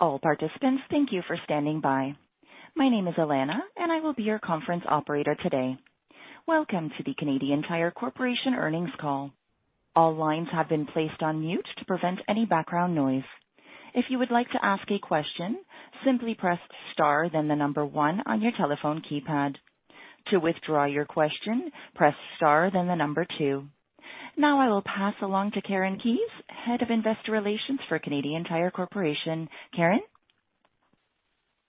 All participants, thank you for standing by. My name is Elena, and I will be your conference operator today. Welcome to the Canadian Tire Corporation earnings call. All lines have been placed on mute to prevent any background noise. If you would like to ask a question, simply press star then the number one on your telephone keypad. To withdraw your question, press star then the number two. Now I will pass along to Karen Keyes, Head of Investor Relations, Canadian Tire Corporation. Karen?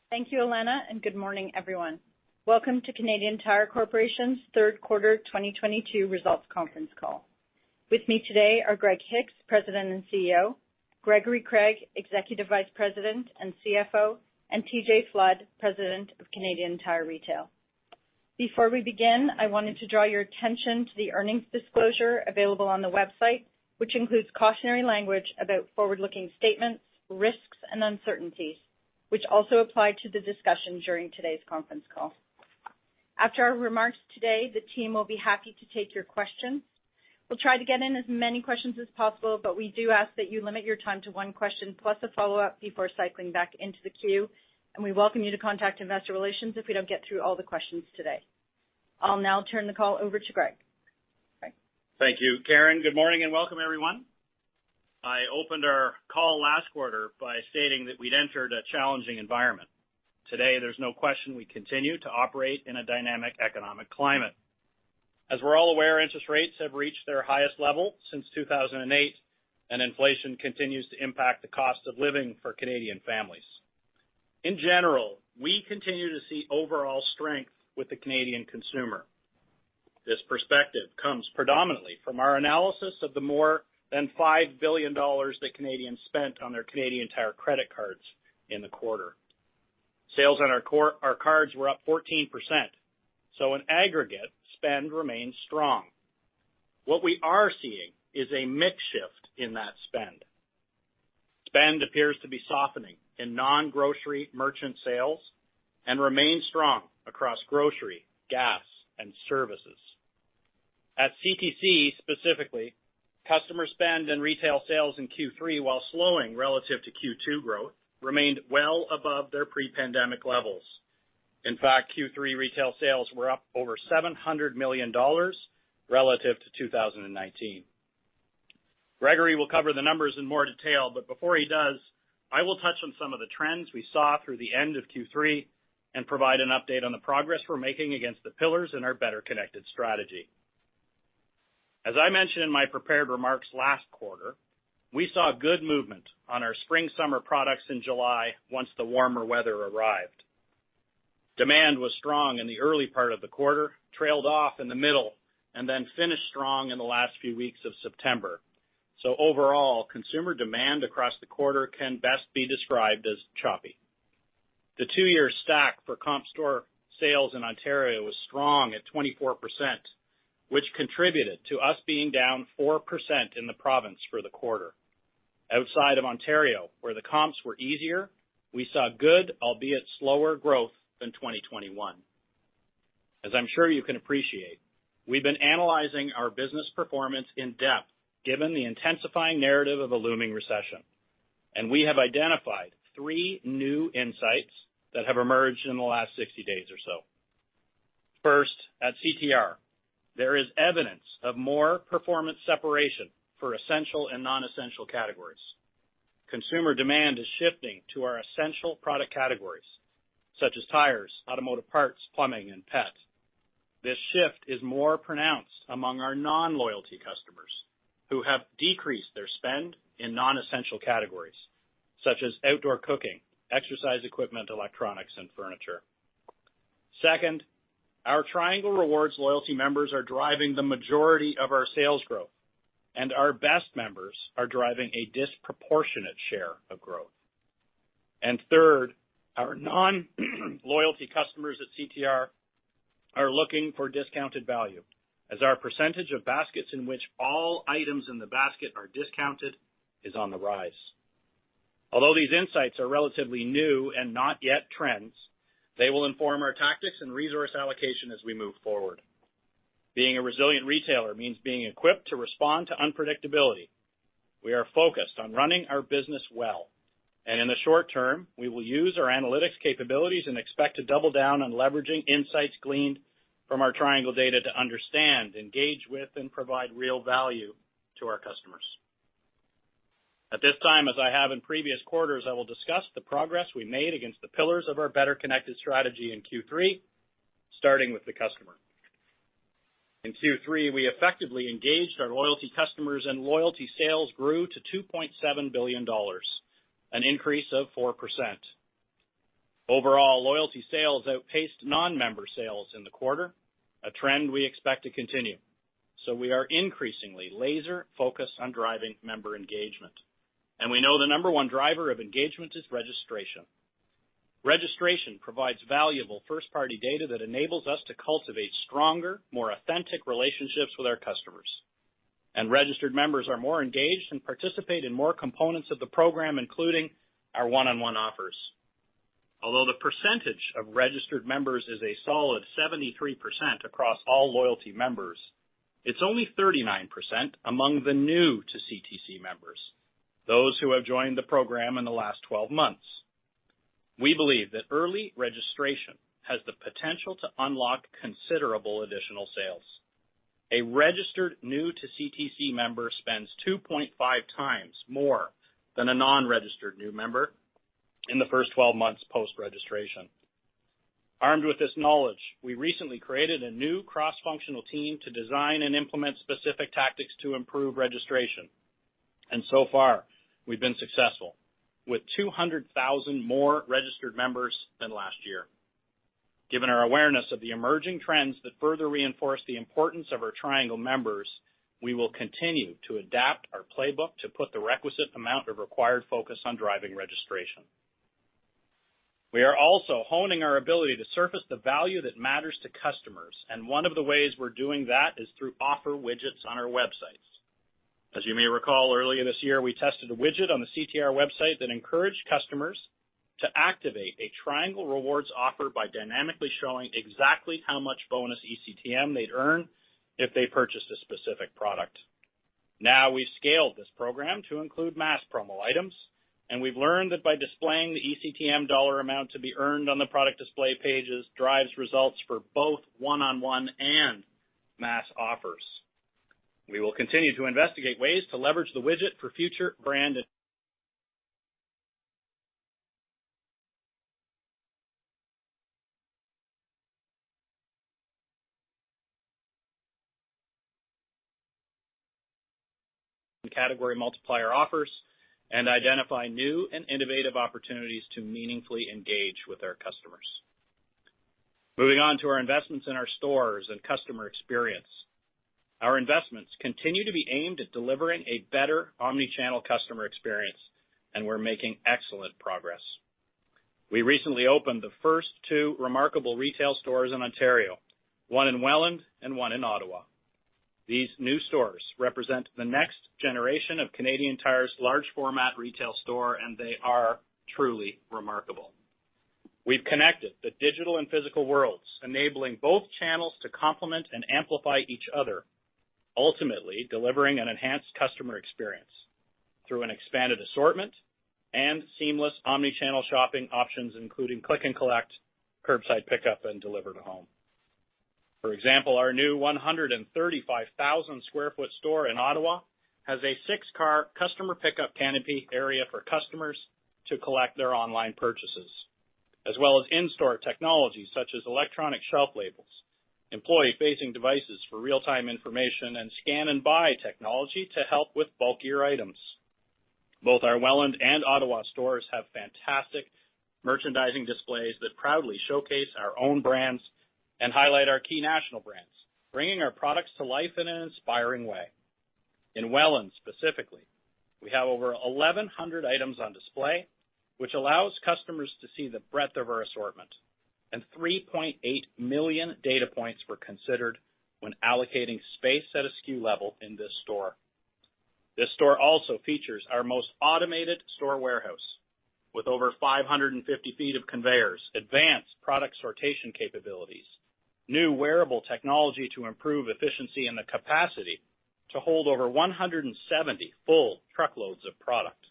Thank you, Elena, and good morning, everyone. Welcome to Canadian Tire Corporation's Third Quarter 2022 Results Conference Call. With me today are Greg Hicks, President and CEO, Gregory Craig, Executive Vice President and CFO, and TJ Flood, President of Canadian Tire Retail. Before we begin, I wanted to draw your attention to the earnings disclosure available on the website, which includes cautionary language about forward-looking statements, risks, and uncertainties, which also apply to the discussion during today's conference call. After our remarks today, the team will be happy to take your question. We'll try to get in as many questions as possible, but we do ask that you limit your time to one question plus a follow-up before cycling back into the queue, and we welcome you to contact investor relations if we don't get through all the questions today. I'll now turn the call over to Greg. Greg? Thank you, Karen. Good morning and welcome, everyone. I opened our call last quarter by stating that we'd entered a challenging environment. Today, there's no question we continue to operate in a dynamic economic climate. As we're all aware, interest rates have reached their highest level since 2008, and inflation continues to impact the cost of living for Canadian families. In general, we continue to see overall strength with the Canadian consumer. This perspective comes predominantly from our analysis of the more than 5 billion dollars that Canadians spent on their Canadian Tire credit cards in the quarter. Sales on our cards were up 14%, so in aggregate, spend remains strong. What we are seeing is a mix shift in that spend. Spend appears to be softening in non-grocery merchant sales and remains strong across grocery, gas, and services. At CTC specifically, customer spend and retail sales in Q3, while slowing relative to Q2 growth, remained well above their pre-pandemic levels. In fact, Q3 retail sales were up over 700 million dollars relative to 2019. Gregory will cover the numbers in more detail, but before he does, I will touch on some of the trends we saw through the end of Q3 and provide an update on the progress we're making against the pillars in our Better Connected strategy. As I mentioned in my prepared remarks last quarter, we saw good movement on our spring/summer products in July once the warmer weather arrived. Demand was strong in the early part of the quarter, trailed off in the middle, and then finished strong in the last few weeks of September. Overall, consumer demand across the quarter can best be described as choppy. The two-year stack for comp store sales in Ontario was strong at 24%, which contributed to us being down 4% in the province for the quarter. Outside of Ontario, where the comps were easier, we saw good albeit slower growth than 2021. As I'm sure you can appreciate, we've been analyzing our business performance in depth given the intensifying narrative of a looming recession, and we have identified three new insights that have emerged in the last 60 days or so. First, at CTR, there is evidence of more performance separation for essential and non-essential categories. Consumer demand is shifting to our essential product categories such as tires, automotive parts, plumbing, and pet. This shift is more pronounced among our non-loyalty customers who have decreased their spend in non-essential categories such as outdoor cooking, exercise equipment, electronics, and furniture. Second, our Triangle Rewards loyalty members are driving the majority of our sales growth, and our best members are driving a disproportionate share of growth. Third, our non-loyalty customers at CTR are looking for discounted value as our percentage of baskets in which all items in the basket are discounted is on the rise. Although these insights are relatively new and not yet trends, they will inform our tactics and resource allocation as we move forward. Being a resilient retailer means being equipped to respond to unpredictability. We are focused on running our business well, and in the short term, we will use our analytics capabilities and expect to double down on leveraging insights gleaned from our Triangle data to understand, engage with, and provide real value to our customers. At this time, as I have in previous quarters, I will discuss the progress we made against the pillars of our Better Connected strategy in Q3, starting with the customer. In Q3, we effectively engaged our loyalty customers and loyalty sales grew to 2.7 billion dollars, an increase of 4%. Overall, loyalty sales outpaced non-member sales in the quarter, a trend we expect to continue, so we are increasingly laser-focused on driving member engagement, and we know the number one driver of engagement is registration. Registration provides valuable first-party data that enables us to cultivate stronger, more authentic relationships with our customers. Registered members are more engaged and participate in more components of the program, including our one-on-one offers. Although the percentage of registered members is a solid 73% across all loyalty members, it's only 39% among the new to CTC members, those who have joined the program in the last twelve months. We believe that early registration has the potential to unlock considerable additional sales. A registered new to CTC member spends 2.5x more than a non-registered new member in the first twelve months post-registration. Armed with this knowledge, we recently created a new cross-functional team to design and implement specific tactics to improve registration. So far, we've been successful with 200,000 more registered members than last year. Given our awareness of the emerging trends that further reinforce the importance of our Triangle members, we will continue to adapt our playbook to put the requisite amount of required focus on driving registration. We are also honing our ability to surface the value that matters to customers, and one of the ways we're doing that is through offer widgets on our websites. As you may recall, earlier this year, we tested a widget on the CTR website that encouraged customers to activate a Triangle Rewards offer by dynamically showing exactly how much bonus eCTM they'd earn if they purchased a specific product. Now we've scaled this program to include mass promo items, and we've learned that by displaying the eCTM dollar amount to be earned on the product display pages drives results for both one-on-one and mass offers. We will continue to investigate ways to leverage the widget for future brand and category multiplier offers and identify new and innovative opportunities to meaningfully engage with our customers. Moving on to our investments in our stores and customer experience. Our investments continue to be aimed at delivering a better omni-channel customer experience, and we're making excellent progress. We recently opened the first two remarkable retail stores in Ontario, one in Welland and one in Ottawa. These new stores represent the next generation of Canadian Tire's large format retail store, and they are truly remarkable. We've connected the digital and physical worlds, enabling both channels to complement and amplify each other, ultimately delivering an enhanced customer experience through an expanded assortment and seamless omni-channel shopping options, including click and collect, curbside pickup, and deliver to home. For example, our new 135,000 sq ft store in Ottawa has a six-car customer pickup canopy area for customers to collect their online purchases, as well as in-store technology such as electronic shelf labels, employee-facing devices for real-time information, and scan and buy technology to help with bulkier items. Both our Welland and Ottawa stores have fantastic merchandising displays that proudly showcase our own brands and highlight our key national brands, bringing our products to life in an inspiring way. In Welland, specifically, we have over 1,100 items on display, which allows customers to see the breadth of our assortment. 3.8 million data points were considered when allocating space at a SKU level in this store. This store also features our most automated store warehouse with over 550 feet of conveyors, advanced product sortation capabilities, new wearable technology to improve efficiency, and the capacity to hold over 170 full truckloads of product.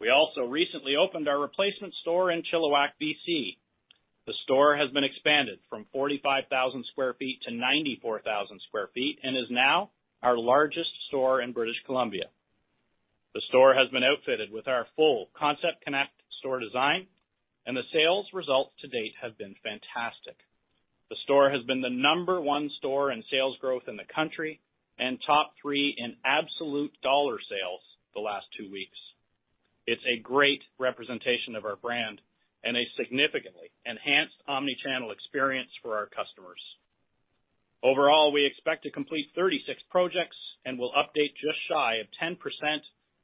We also recently opened our replacement store in Chilliwack, BC. The store has been expanded from 45,000 sq ft to 94,000 sq ft and is now our largest store in British Columbia. The store has been outfitted with our full Concept Connect store design, and the sales results to date have been fantastic. The store has been the number one store in sales growth in the country and top three in absolute dollar sales the last two weeks. It's a great representation of our brand and a significantly enhanced omnichannel experience for our customers. Overall, we expect to complete 36 projects and will update just shy of 10%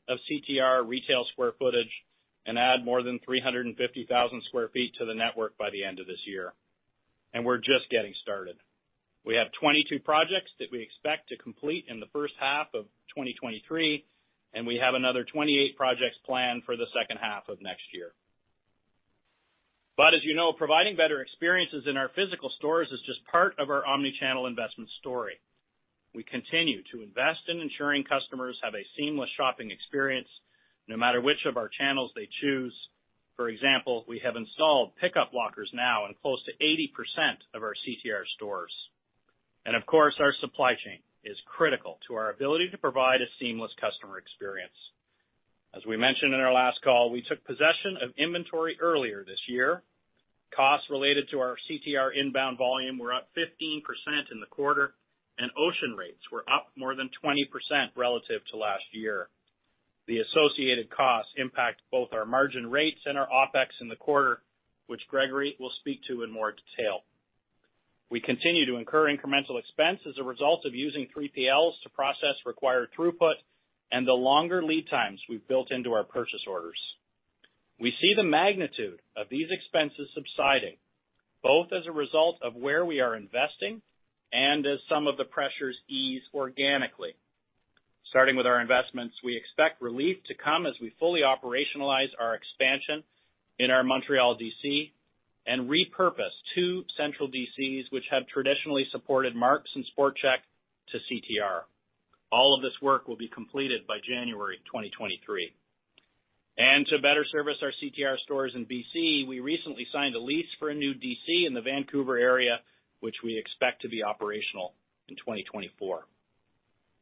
of CTR retail square footage and add more than 350,000 square feet to the network by the end of this year. We're just getting started. We have 22 projects that we expect to complete in the first half of 2023, and we have another 28 projects planned for the second half of next year. As you know, providing better experiences in our physical stores is just part of our omni-channel investment story. We continue to invest in ensuring customers have a seamless shopping experience no matter which of our channels they choose. For example, we have installed pickup lockers now in close to 80% of our CTR stores. Of course, our supply chain is critical to our ability to provide a seamless customer experience. As we mentioned in our last call, we took possession of inventory earlier this year. Costs related to our CTR inbound volume were up 15% in the quarter, and ocean rates were up more than 20% relative to last year. The associated costs impact both our margin rates and our OpEx in the quarter, which Gregory will speak to in more detail. We continue to incur incremental expense as a result of using 3PLs to process required throughput and the longer lead times we've built into our purchase orders. We see the magnitude of these expenses subsiding, both as a result of where we are investing and as some of the pressures ease organically. Starting with our investments, we expect relief to come as we fully operationalize our expansion in our Montreal DC and repurpose two central DCs which have traditionally supported Mark's and SportChek to CTR. All of this work will be completed by January 2023. To better service our CTR stores in BC, we recently signed a lease for a new DC in the Vancouver area, which we expect to be operational in 2024.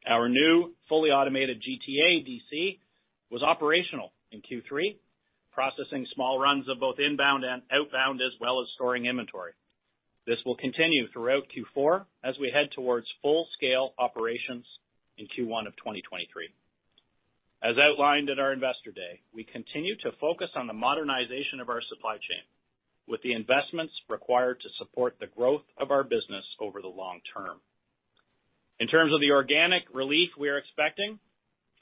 Our new fully automated GTA DC was operational in Q3, processing small runs of both inbound and outbound, as well as storing inventory. This will continue throughout Q4 as we head towards full-scale operations in Q1 of 2023. As outlined at our Investor Day, we continue to focus on the modernization of our supply chain with the investments required to support the growth of our business over the long term. In terms of the organic relief we are expecting,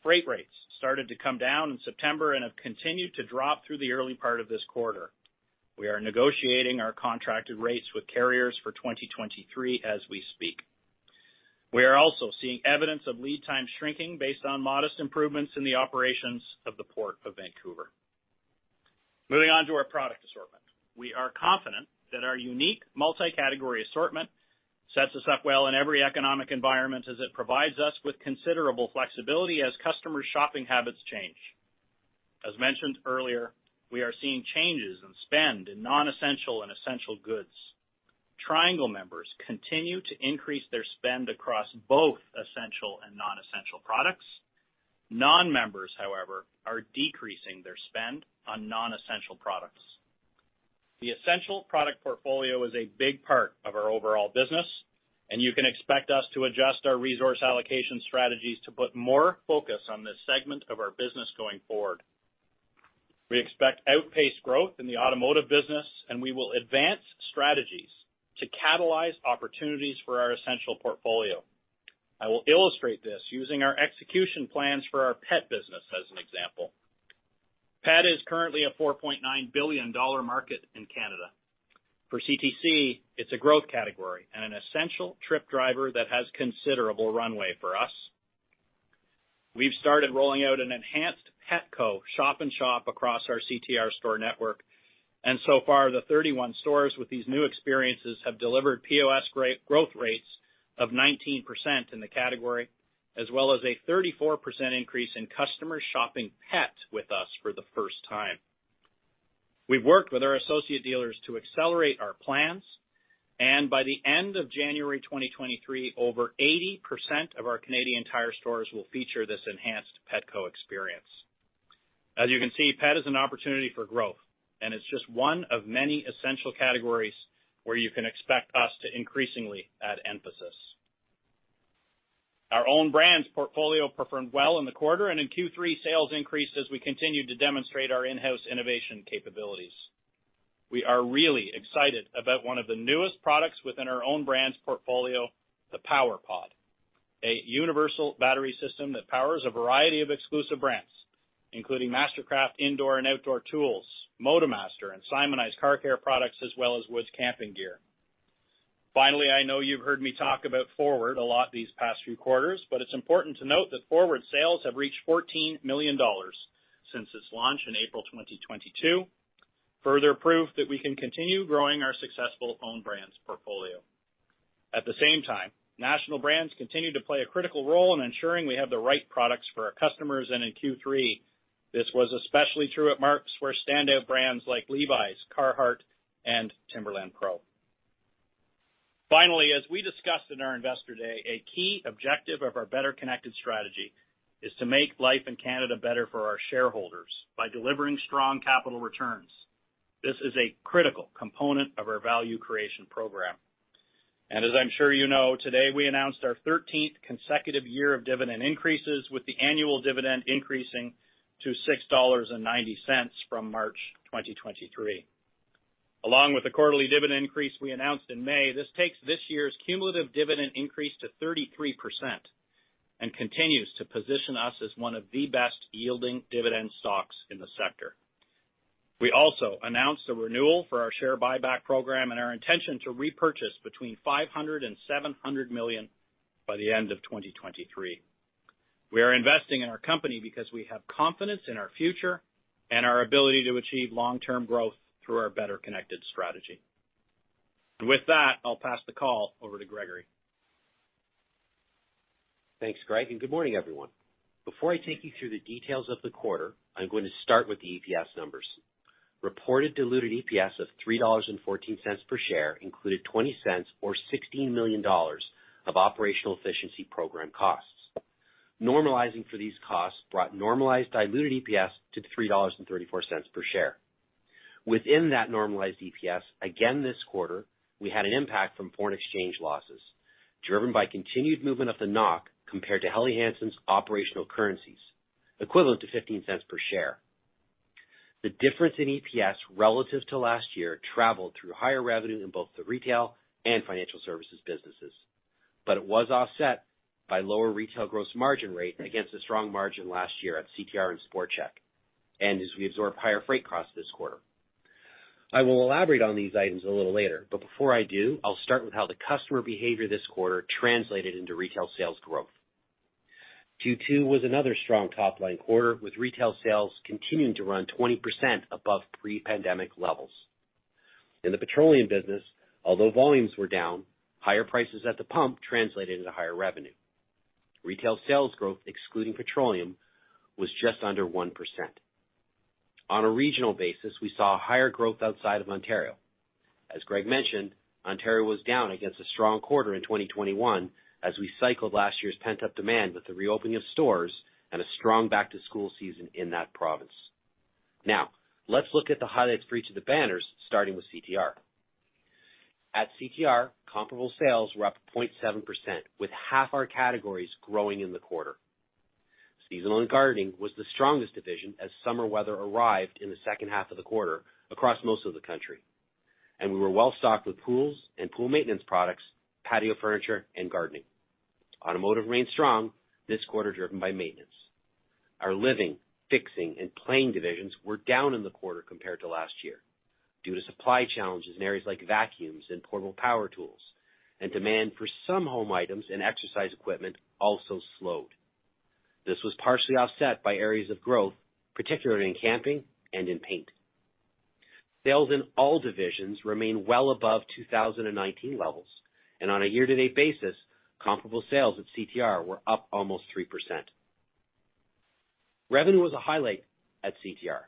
freight rates started to come down in September and have continued to drop through the early part of this quarter. We are negotiating our contracted rates with carriers for 2023 as we speak. We are also seeing evidence of lead time shrinking based on modest improvements in the operations of the Port of Vancouver. Moving on to our product assortment. We are confident that our unique multi-category assortment sets us up well in every economic environment as it provides us with considerable flexibility as customers' shopping habits change. As mentioned earlier, we are seeing changes in spend in non-essential and essential goods. Triangle members continue to increase their spend across both essential and non-essential products. Non-members, however, are decreasing their spend on non-essential products. The essential product portfolio is a big part of our overall business, and you can expect us to adjust our resource allocation strategies to put more focus on this segment of our business going forward. We expect outpaced growth in the automotive business, and we will advance strategies to catalyze opportunities for our essential portfolio. I will illustrate this using our execution plans for our pet business as an example. Pet is currently a 4.9 billion dollar market in Canada. For CTC, it's a growth category and an essential trip driver that has considerable runway for us. We've started rolling out an enhanced Petco shop-in-shop across our CTR store network, and so far, the 31 stores with these new experiences have delivered POS rate growth rates of 19% in the category, as well as a 34% increase in customers shopping pet with us for the first time. We've worked with our associate dealers to accelerate our plans, and by the end of January 2023, over 80% of our Canadian Tire stores will feature this enhanced Petco experience. As you can see, pet is an opportunity for growth, and it's just one of many essential categories where you can expect us to increasingly add emphasis. Our own brands portfolio performed well in the quarter, and in Q3, sales increased as we continued to demonstrate our in-house innovation capabilities. We are really excited about one of the newest products within our own brands portfolio, the PWR POD, a universal battery system that powers a variety of exclusive brands, including Mastercraft indoor and outdoor tools, MotoMaster and SIMONIZ car care products, as well as Woods camping gear. Finally, I know you've heard me talk about Forward a lot these past few quarters, but it's important to note that Forward sales have reached 14 million dollars since its launch in April 2022, further proof that we can continue growing our successful own brands portfolio. At the same time, national brands continue to play a critical role in ensuring we have the right products for our customers, and in Q3, this was especially true at Mark's where standout brands like Levi's, Carhartt, and Timberland PRO. Finally, as we discussed in our Investor Day, a key objective of our Better Connected strategy is to make life in Canada better for our shareholders by delivering strong capital returns. This is a critical component of our value creation program. As I'm sure you know, today, we announced our thirteenth consecutive year of dividend increases with the annual dividend increasing to 6.90 dollars from March 2023. Along with the quarterly dividend increase we announced in May, this takes this year's cumulative dividend increase to 33% and continues to position us as one of the best-yielding dividend stocks in the sector. We also announced a renewal for our share buyback program and our intention to repurchase between 500 million and 700 million by the end of 2023. We are investing in our company because we have confidence in our future and our ability to achieve long-term growth through our Better Connected strategy. With that, I'll pass the call over to Gregory. Thanks, Greg, and good morning, everyone. Before I take you through the details of the quarter, I'm going to start with the EPS numbers. Reported diluted EPS of 3.14 dollars per share included 0.20 or 16 million dollars of operational efficiency program costs. Normalizing for these costs brought normalized diluted EPS to 3.34 dollars per share. Within that normalized EPS, again, this quarter, we had an impact from foreign exchange losses driven by continued movement of the NOK compared to Helly Hansen's operational currencies, equivalent to 0.15 per share. The difference in EPS relative to last year flowed through higher revenue in both the retail and financial services businesses, but it was offset by lower retail gross margin rate against a strong margin last year at CTR and SportChek and as we absorbed higher freight costs this quarter. I will elaborate on these items a little later, but before I do, I'll start with how the customer behavior this quarter translated into retail sales growth. Q2 was another strong top-line quarter, with retail sales continuing to run 20% above pre-pandemic levels. In the petroleum business, although volumes were down, higher prices at the pump translated into higher revenue. Retail sales growth, excluding petroleum, was just under 1%. On a regional basis, we saw higher growth outside of Ontario. As Greg mentioned, Ontario was down against a strong quarter in 2021 as we cycled last year's pent-up demand with the reopening of stores and a strong back-to-school season in that province. Now, let's look at the highlights for each of the banners, starting with CTR. At CTR, comparable sales were up 0.7%, with half our categories growing in the quarter. Seasonal and gardening was the strongest division as summer weather arrived in the second half of the quarter across most of the country, and we were well stocked with pools and pool maintenance products, patio furniture, and gardening. Automotive remained strong this quarter, driven by maintenance. Our living, fixing, and playing divisions were down in the quarter compared to last year due to supply challenges in areas like vacuums and portable power tools, and demand for some home items and exercise equipment also slowed. This was partially offset by areas of growth, particularly in camping and in paint. Sales in all divisions remain well above 2019 levels, and on a year-to-date basis, comparable sales at CTR were up almost 3%. Revenue was a highlight at CTR,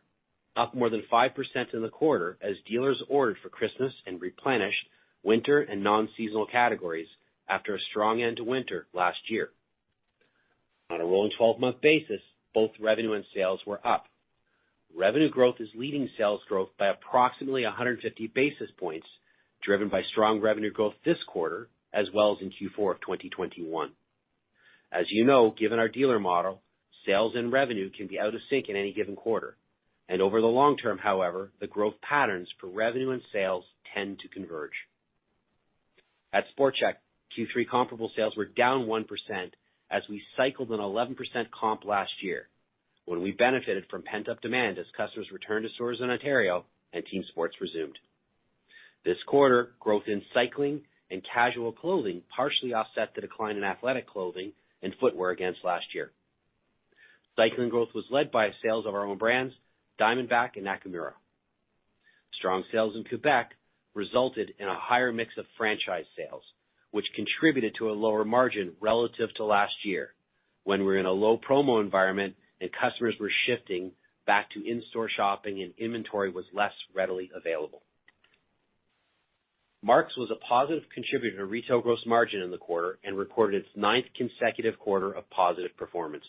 up more than 5% in the quarter as dealers ordered for Christmas and replenished winter and non-seasonal categories after a strong end to winter last year. On a rolling 12-month basis, both revenue and sales were up. Revenue growth is leading sales growth by approximately 150 basis points, driven by strong revenue growth this quarter as well as in Q4 of 2021. As you know, given our dealer model, sales and revenue can be out of sync in any given quarter. Over the long term, however, the growth patterns for revenue and sales tend to converge. At SportChek, Q3 comparable sales were down 1% as we cycled an 11% comp last year when we benefited from pent-up demand as customers returned to stores in Ontario and team sports resumed. This quarter, growth in cycling and casual clothing partially offset the decline in athletic clothing and footwear against last year. Cycling growth was led by sales of our own brands, Diamondback and Nakamura. Strong sales in Quebec resulted in a higher mix of franchise sales, which contributed to a lower margin relative to last year when we were in a low promo environment and customers were shifting back to in-store shopping and inventory was less readily available. Mark's was a positive contributor to retail gross margin in the quarter and recorded its ninth consecutive quarter of positive performance.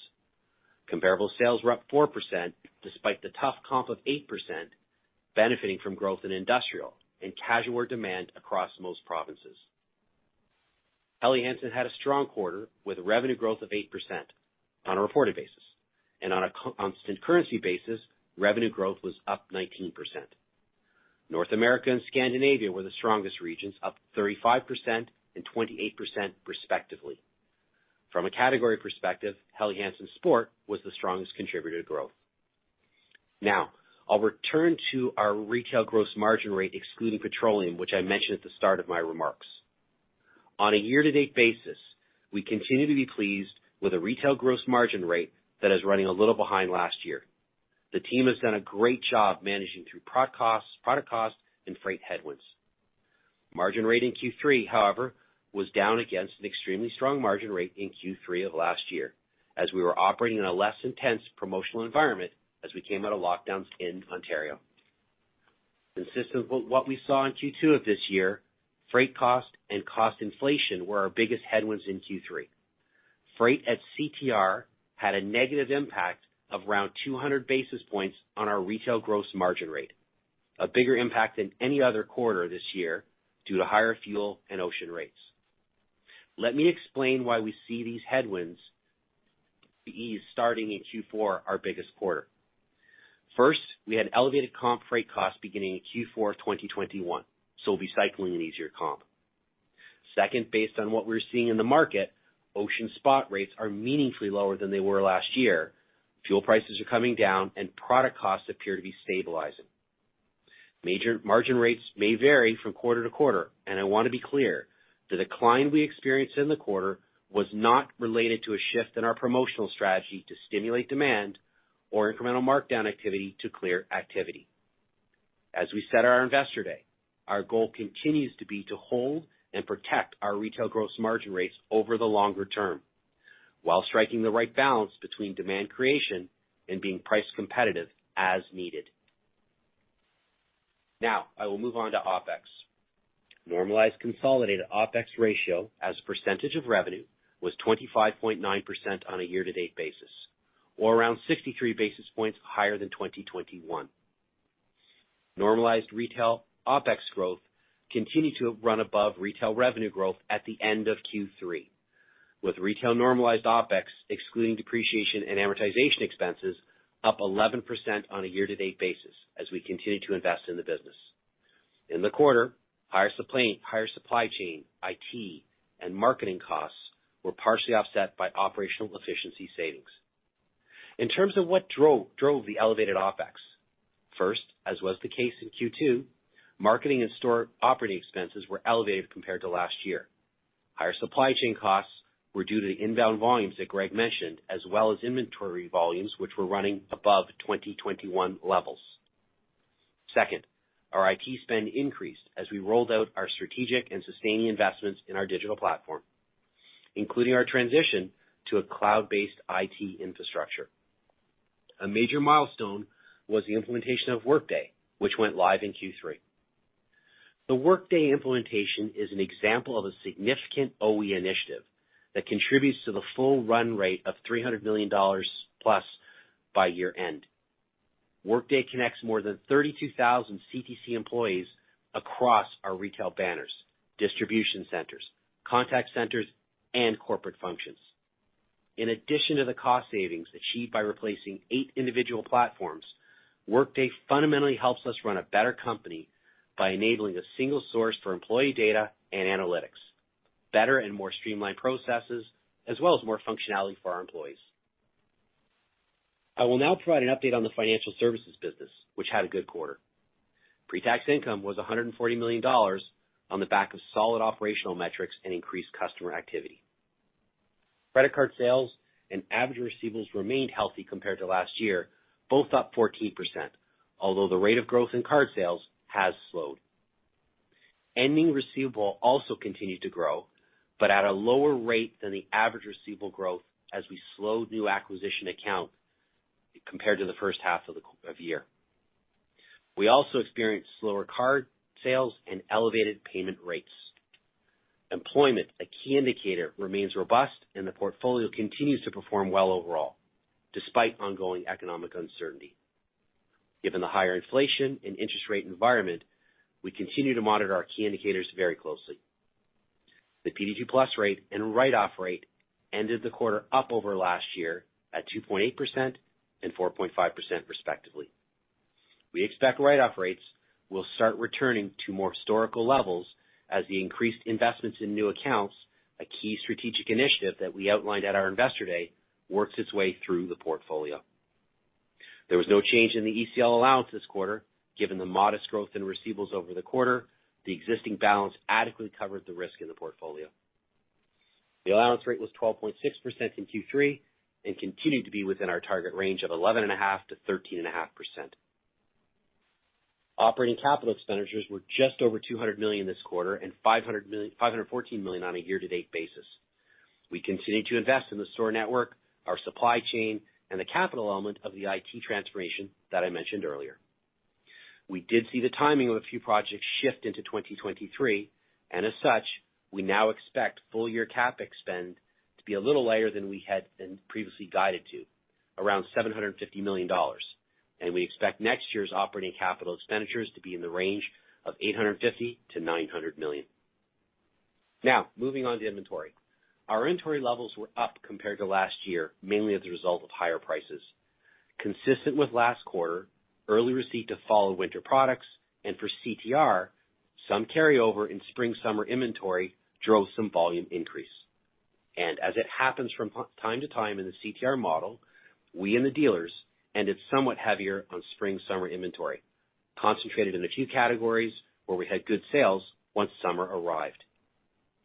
Comparable sales were up 4% despite the tough comp of 8% benefiting from growth in industrial and casual wear demand across most provinces. Helly Hansen had a strong quarter with revenue growth of 8% on a reported basis. On a constant currency basis, revenue growth was up 19%. North America and Scandinavia were the strongest regions, up 35% and 28% respectively. From a category perspective, Helly Hansen Sport was the strongest contributor to growth. Now, I'll return to our retail gross margin rate excluding petroleum, which I mentioned at the start of my remarks. On a year-to-date basis, we continue to be pleased with a retail gross margin rate that is running a little behind last year. The team has done a great job managing through product costs and freight headwinds. Margin rate in Q3, however, was down against an extremely strong margin rate in Q3 of last year as we were operating in a less intense promotional environment as we came out of lockdowns in Ontario. Consistent with what we saw in Q2 of this year, freight cost and cost inflation were our biggest headwinds in Q3. Freight at CTR had a negative impact of around 200 basis points on our retail gross margin rate, a bigger impact than any other quarter this year due to higher fuel and ocean rates. Let me explain why we see these headwinds ease starting in Q4, our biggest quarter. First, we had elevated comp freight costs beginning in Q4 of 2021, so we'll be cycling an easier comp. Second, based on what we're seeing in the market, ocean spot rates are meaningfully lower than they were last year. Fuel prices are coming down and product costs appear to be stabilizing. Major margin rates may vary from quarter to quarter, and I want to be clear, the decline we experienced in the quarter was not related to a shift in our promotional strategy to stimulate demand or incremental markdown activity to clear activity. As we said on our Investor Day, our goal continues to be to hold and protect our retail gross margin rates over the longer term while striking the right balance between demand creation and being price competitive as needed. Now I will move on to OpEx. Normalized consolidated OpEx ratio as a percentage of revenue was 25.9% on a year-to-date basis, or around 63 basis points higher than 2021. Normalized retail OpEx growth continued to run above retail revenue growth at the end of Q3, with retail normalized OpEx, excluding depreciation and amortization expenses, up 11% on a year-to-date basis as we continued to invest in the business. In the quarter, higher supply chain, IT, and marketing costs were partially offset by operational efficiency savings. In terms of what drove the elevated OpEx, first, as was the case in Q2, marketing and store operating expenses were elevated compared to last year. Higher supply chain costs were due to the inbound volumes that Greg mentioned, as well as inventory volumes, which were running above 2021 levels. Second, our IT spend increased as we rolled out our strategic and sustaining investments in our digital platform, including our transition to a cloud-based IT infrastructure. A major milestone was the implementation of Workday, which went live in Q3. The Workday implementation is an example of a significant OE initiative that contributes to the full run rate of 300 million dollars plus by year-end. Workday connects more than 32,000 CTC employees across our retail banners, distribution centers, contact centers, and corporate functions. In addition to the cost savings achieved by replacing eight individual platforms, Workday fundamentally helps us run a better company by enabling a single source for employee data and analytics, better and more streamlined processes, as well as more functionality for our employees. I will now provide an update on the financial services business, which had a good quarter. Pre-tax income was 140 million dollars on the back of solid operational metrics and increased customer activity. Credit card sales and average receivables remained healthy compared to last year, both up 14%, although the rate of growth in card sales has slowed. Ending receivables also continued to grow, but at a lower rate than the average receivables growth as we slowed new account acquisition compared to the first half of the year. We also experienced slower card sales and elevated payment rates. Employment, a key indicator, remains robust and the portfolio continues to perform well overall, despite ongoing economic uncertainty. Given the higher inflation and interest rate environment, we continue to monitor our key indicators very closely. The PD2+ rate and write-off rate ended the quarter up over last year at 2.8% and 4.5% respectively. We expect write-off rates will start returning to more historical levels as the increased investments in new accounts, a key strategic initiative that we outlined at our Investor Day, works its way through the portfolio. There was no change in the ECL allowance this quarter. Given the modest growth in receivables over the quarter, the existing balance adequately covered the risk in the portfolio. The allowance rate was 12.6% in Q3 and continued to be within our target range of 11.5%-13.5%. Operating capital expenditures were just over 200 million this quarter and 514 million on a year-to-date basis. We continue to invest in the store network, our supply chain, and the capital element of the IT transformation that I mentioned earlier. We did see the timing of a few projects shift into 2023, and as such, we now expect full-year CapEx spend to be a little higher than we had been previously guided to, around 750 million dollars. We expect next year's operating capital expenditures to be in the range of 850 million-900 million. Now, moving on to inventory. Our inventory levels were up compared to last year, mainly as a result of higher prices. Consistent with last quarter, early receipt to fall/winter products and for CTR, some carryover in spring/summer inventory drove some volume increase. As it happens from time to time in the CTR model, we and the dealers ended somewhat heavier on spring/summer inventory, concentrated in a few categories where we had good sales once summer arrived.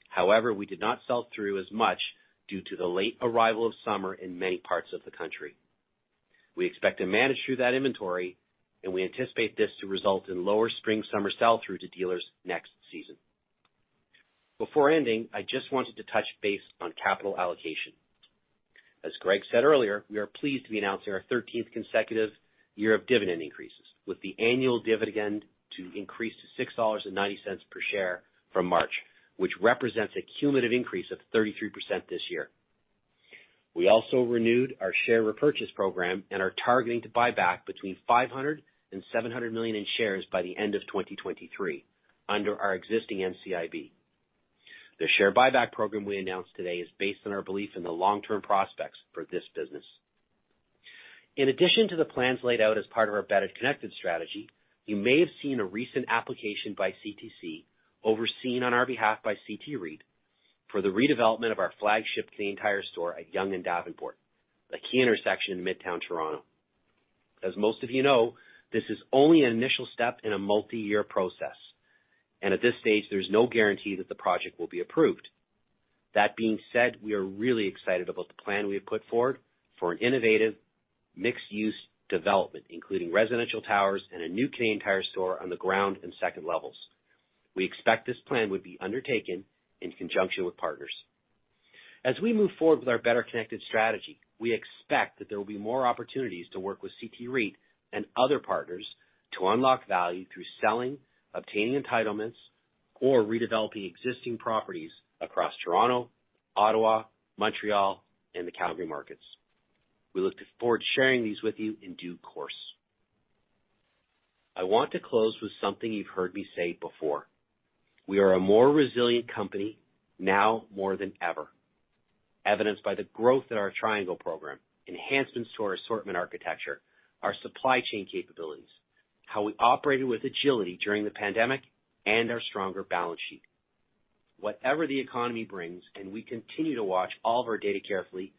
However, we did not sell through as much due to the late arrival of summer in many parts of the country. We expect to manage through that inventory, and we anticipate this to result in lower spring/summer sell-through to dealers next season. Before ending, I just wanted to touch base on capital allocation. As Greg said earlier, we are pleased to be announcing our 13th consecutive year of dividend increases with the annual dividend to increase to 6.90 dollars per share from March, which represents a cumulative increase of 33% this year. We also renewed our share repurchase program and are targeting to buy back between 500 million and 700 million in shares by the end of 2023 under our existing NCIB. The share buyback program we announced today is based on our belief in the long-term prospects for this business. In addition to the plans laid out as part of our Better Connected strategy, you may have seen a recent application by CTC, overseen on our behalf by CT REIT, for the redevelopment of our flagship Canadian Tire store at Yonge and Davenport, a key intersection in Midtown Toronto. As most of you know, this is only an initial step in a multi-year process, and at this stage, there's no guarantee that the project will be approved. That being said, we are really excited about the plan we have put forward for an innovative mixed-use development, including residential towers and a new Canadian Tire store on the ground and second levels. We expect this plan would be undertaken in conjunction with partners. As we move forward with our Better Connected strategy, we expect that there will be more opportunities to work with CT REIT and other partners to unlock value through selling, obtaining entitlements, or redeveloping existing properties across Toronto, Ottawa, Montreal, and the Calgary markets. We look forward to sharing these with you in due course. I want to close with something you've heard me say before. We are a more resilient company now more than ever, evidenced by the growth in our Triangle program, enhancements to our assortment architecture, our supply chain capabilities, how we operated with agility during the pandemic, and our stronger balance sheet. Whatever the economy brings, and we continue to watch all of our data carefully,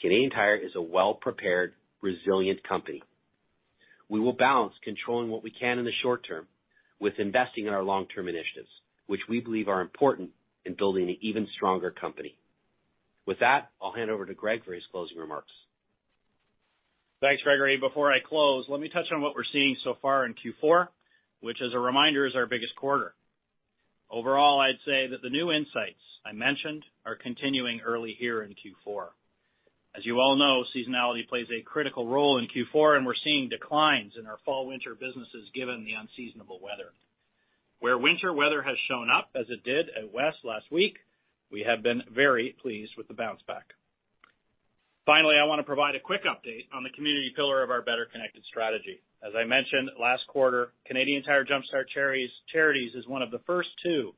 Canadian Tire is a well-prepared, resilient company. We will balance controlling what we can in the short term with investing in our long-term initiatives, which we believe are important in building an even stronger company. With that, I'll hand over to Greg for his closing remarks. Thanks, Gregory. Before I close, let me touch on what we're seeing so far in Q4, which as a reminder, is our biggest quarter. Overall, I'd say that the new insights I mentioned are continuing early here in Q4. As you all know, seasonality plays a critical role in Q4, and we're seeing declines in our fall/winter businesses given the unseasonable weather. Where winter weather has shown up, as it did out west last week, we have been very pleased with the bounce back. Finally, I wanna provide a quick update on the community pillar of our Better Connected strategy. As I mentioned last quarter, Canadian Tire Jumpstart Charities is one of the first two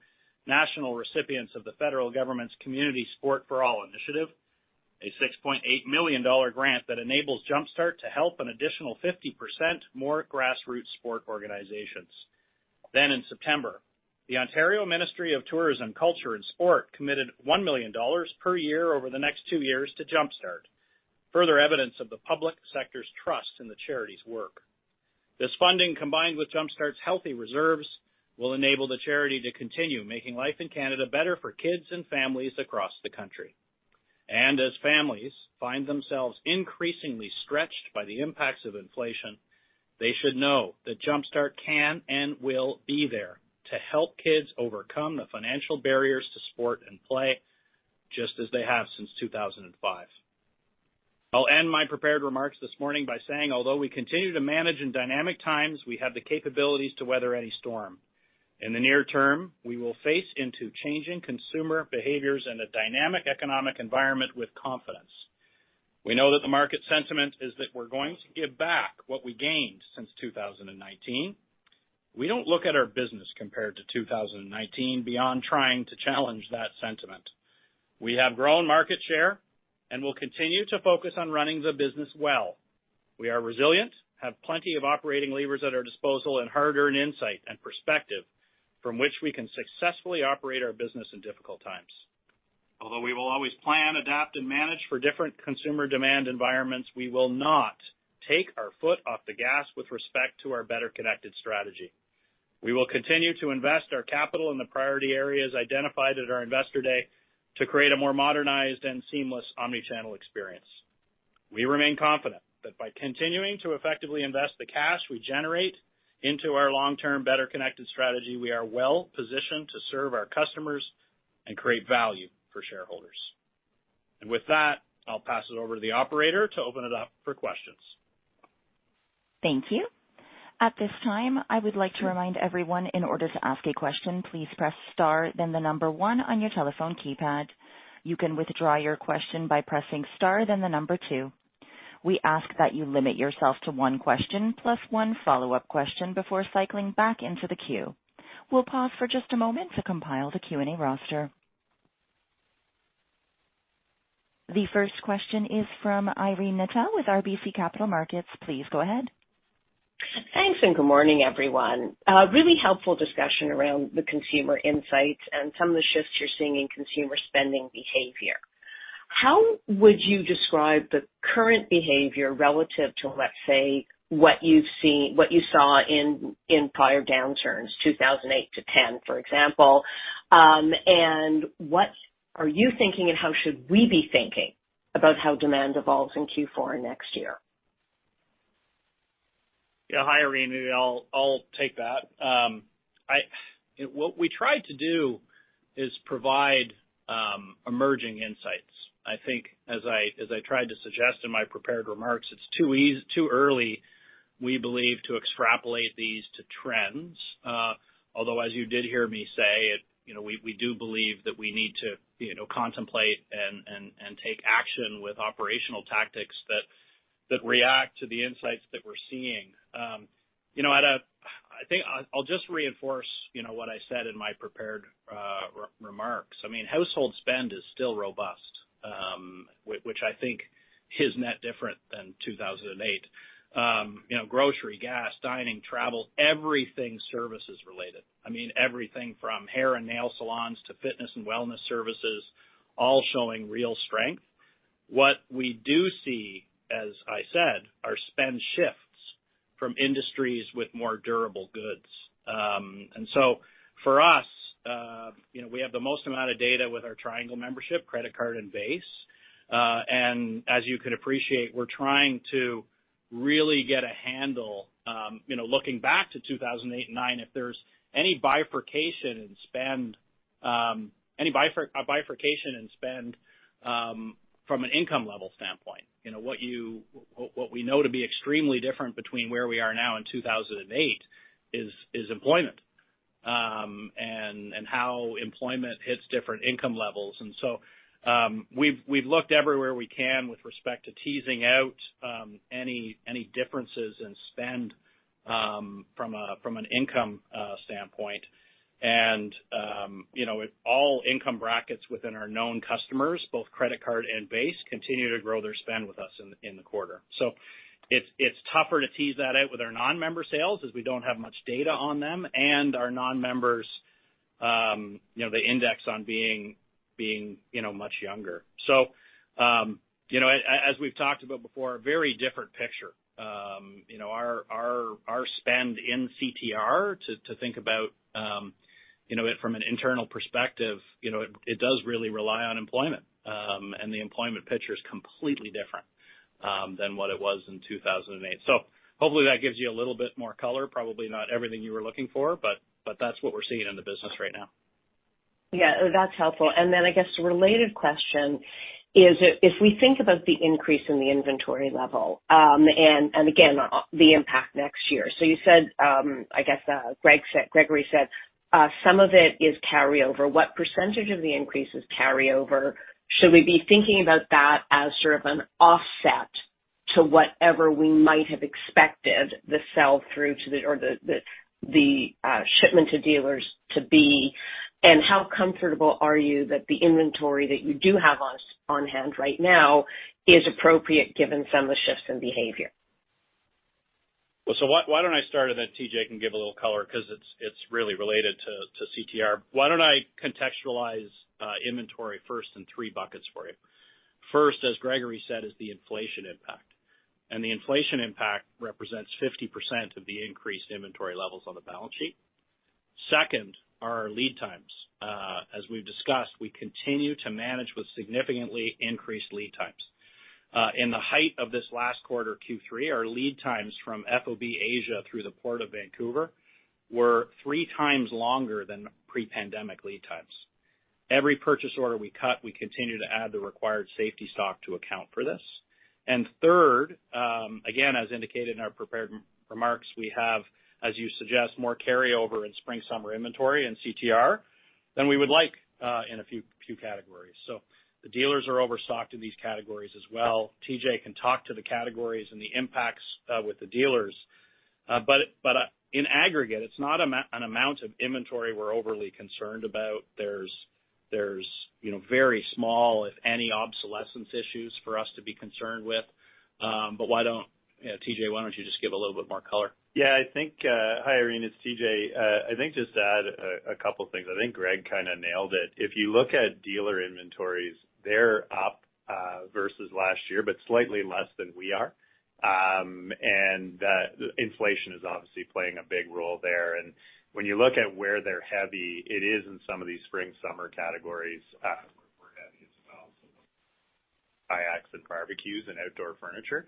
national recipients of the federal government's Community Sport for All initiative, a 6.8 million dollar grant that enables Jumpstart to help an additional 50% more grassroots sport organizations. In September, the Ontario Ministry of Tourism, Culture and Sport committed 1 million dollars per year over the next two years to Jumpstart, further evidence of the public sector's trust in the charity's work. This funding, combined with Jumpstart's healthy reserves, will enable the charity to continue making life in Canada better for kids and families across the country. As families find themselves increasingly stretched by the impacts of inflation, they should know that Jumpstart can and will be there to help kids overcome the financial barriers to sport and play, just as they have since 2005. I'll end my prepared remarks this morning by saying, although we continue to manage in dynamic times, we have the capabilities to weather any storm. In the near term, we will face into changing consumer behaviors in a dynamic economic environment with confidence. We know that the market sentiment is that we're going to give back what we gained since 2019. We don't look at our business compared to 2019 beyond trying to challenge that sentiment. We have grown market share and will continue to focus on running the business well. We are resilient, have plenty of operating levers at our disposal, and hard-earned insight and perspective from which we can successfully operate our business in difficult times. Although we will always plan, adapt, and manage for different consumer demand environments, we will not take our foot off the gas with respect to our Better Connected strategy. We will continue to invest our capital in the priority areas identified at our Investor Day to create a more modernized and seamless omni-channel experience. We remain confident that by continuing to effectively invest the cash we generate into our long-term Better Connected strategy, we are well-positioned to serve our customers and create value for shareholders. With that, I'll pass it over to the operator to open it up for questions. Thank you. At this time, I would like to remind everyone in order to ask a question, please press star then one on your telephone keypad. You can withdraw your question by pressing star then two. We ask that you limit yourself to one question plus one follow-up question before cycling back into the queue. We'll pause for just a moment to compile the Q&A roster. The first question is from Irene Nattel with RBC Capital Markets. Please go ahead. Thanks, good morning, everyone. Really helpful discussion around the consumer insights and some of the shifts you're seeing in consumer spending behavior. How would you describe the current behavior relative to, let's say, what you saw in prior downturns, 2008-2010, for example? What are you thinking, and how should we be thinking about how demand evolves in Q4 next year? Yeah. Hi, Irene. I'll take that. What we tried to do is provide emerging insights. I think as I tried to suggest in my prepared remarks, it's too early, we believe, to extrapolate these to trends. Although as you did hear me say it, you know, we do believe that we need to, you know, contemplate and take action with operational tactics that react to the insights that we're seeing. You know, I think I'll just reinforce, you know, what I said in my prepared remarks. I mean, household spend is still robust, which I think is net different than 2008. You know, grocery, gas, dining, travel, everything services related. I mean, everything from hair and nail salons to fitness and wellness services all showing real strength. What we do see, as I said, are spend shifts from industries with more durable goods. For us, you know, we have the most amount of data with our Triangle membership, credit card, and base. As you can appreciate, we're trying to really get a handle, you know, looking back to 2008 and 2009, if there's any bifurcation in spend, a bifurcation in spend, from an income level standpoint. You know, what we know to be extremely different between where we are now and 2008 is employment, and how employment hits different income levels. We've looked everywhere we can with respect to teasing out any differences in spend from an income standpoint. You know, all income brackets within our known customers, both credit card and base, continue to grow their spend with us in the quarter. It's tougher to tease that out with our non-member sales, as we don't have much data on them, and our non-members, you know, the index on being much younger. You know, as we've talked about before, a very different picture. You know, our spend in CTR to think about it from an internal perspective, you know, it does really rely on employment. The employment picture is completely different than what it was in 2008. Hopefully that gives you a little bit more color, probably not everything you were looking for, but that's what we're seeing in the business right now. Yeah, that's helpful. I guess a related question is if we think about the increase in the inventory level, and again, the impact next year. You said, I guess, Gregory said some of it is carryover. What percentage of the increase is carryover? Should we be thinking about that as sort of an offset to whatever we might have expected the sell-through to the or the shipment to dealers to be? How comfortable are you that the inventory that you do have on hand right now is appropriate given some of the shifts in behavior? Why don't I start and then TJ can give a little color because it's really related to CTR. Why don't I contextualize inventory first in three buckets for you. First, as Gregory said, is the inflation impact. The inflation impact represents 50% of the increased inventory levels on the balance sheet. Second are our lead times. As we've discussed, we continue to manage with significantly increased lead times. In the height of this last quarter, Q3, our lead times from FOB Asia through the Port of Vancouver were three times longer than pre-pandemic lead times. Every purchase order we cut, we continue to add the required safety stock to account for this. Third, again, as indicated in our prepared remarks, we have, as you suggest, more carryover in spring/summer inventory and CTR than we would like, in a few categories. The dealers are overstocked in these categories as well. TJ can talk to the categories and the impacts, with the dealers. In aggregate, it's not an amount of inventory we're overly concerned about. There's, you know, very small, if any, obsolescence issues for us to be concerned with. Why don't, you know, TJ, why don't you just give a little bit more color? Yeah, I think. Hi, Irene, it's TJ. I think just to add a couple things. I think Greg kinda nailed it. If you look at dealer inventories, they're up versus last year, but slightly less than we are. That inflation is obviously playing a big role there. When you look at where they're heavy, it is in some of these spring/summer categories, kayaks and barbecues and outdoor furniture.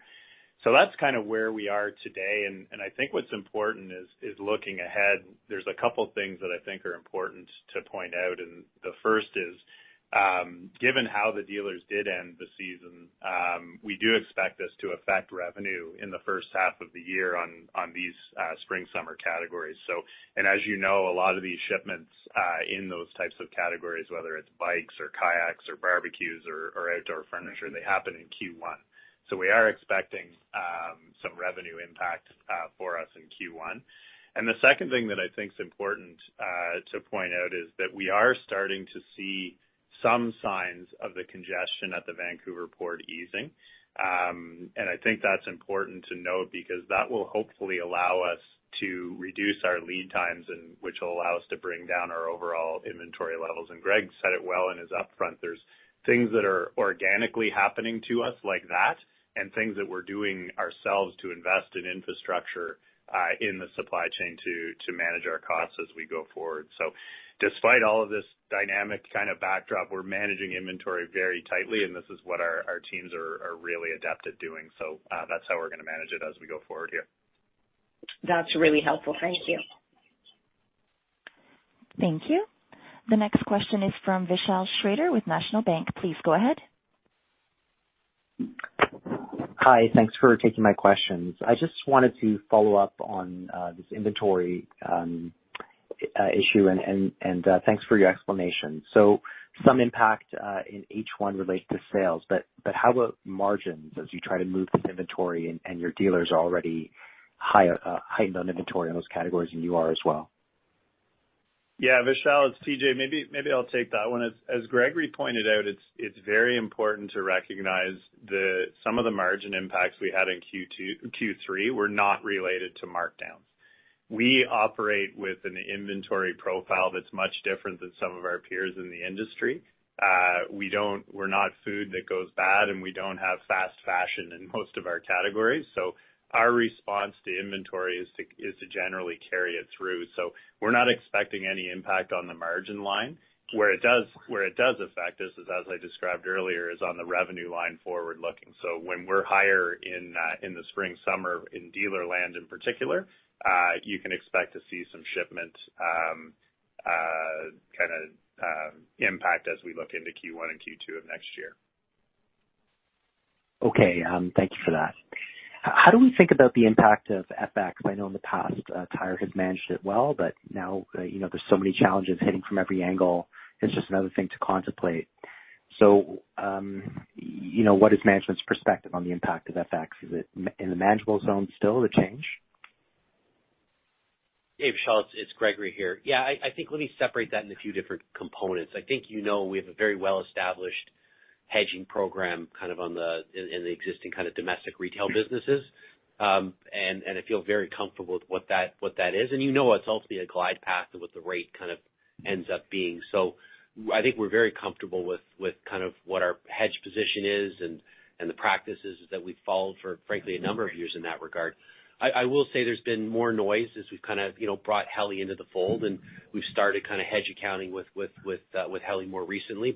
That's kind of where we are today, and I think what's important is looking ahead. There's a couple things that I think are important to point out, and the first is, given how the dealers did end the season, we do expect this to affect revenue in the first half of the year on these spring/summer categories. As you know, a lot of these shipments in those types of categories, whether it's bikes or kayaks or barbecues or outdoor furniture, they happen in Q1. We are expecting some revenue impact for us in Q1. The second thing that I think is important to point out is that we are starting to see some signs of the congestion at the Vancouver port easing. I think that's important to note because that will hopefully allow us to reduce our lead times and which will allow us to bring down our overall inventory levels. Greg said it well in his upfront. There's things that are organically happening to us like that and things that we're doing ourselves to invest in infrastructure in the supply chain to manage our costs as we go forward. Despite all of this dynamic kind of backdrop, we're managing inventory very tightly, and this is what our teams are really adept at doing. That's how we're gonna manage it as we go forward here. That's really helpful. Thank you. Thank you. The next question is from Vishal Shreedhar with National Bank. Please go ahead. Hi, thanks for taking my questions. I just wanted to follow up on this inventory issue and thanks for your explanation. Some impact in H1 related to sales, but how about margins as you try to move this inventory and your dealers are already higher than inventory in those categories than you are as well? Yeah, Vishal, it's TJ. Maybe I'll take that one. As Gregory pointed out, it's very important to recognize that some of the margin impacts we had in Q2-Q3 were not related to markdowns. We operate with an inventory profile that's much different than some of our peers in the industry. We're not food that goes bad, and we don't have fast fashion in most of our categories, so our response to inventory is to generally carry it through. We're not expecting any impact on the margin line. Where it does affect us is as I described earlier, on the revenue line forward-looking. When we're higher in the spring/summer in dealer land in particular, you can expect to see some shipment kinda impact as we look into Q1 and Q2 of next year. Okay. Thank you for that. How do we think about the impact of FX? I know in the past, Tire has managed it well, but now, you know, there's so many challenges hitting from every angle, it's just another thing to contemplate. You know, what is management's perspective on the impact of FX? Is it in the manageable zone still, the change? Hey, Vishal, it's Gregory here. Yeah, I think let me separate that in a few different components. I think you know we have a very well-established Hedging program kind of in the existing kind of domestic retail businesses. I feel very comfortable with what that is. You know, it's ultimately a glide path of what the rate kind of ends up being. I think we're very comfortable with kind of what our hedge position is and the practices that we've followed for, frankly, a number of years in that regard. I will say there's been more noise as we've kind of, you know, brought Helly Hansen into the fold and we've started kind of hedge accounting with Helly Hansen more recently.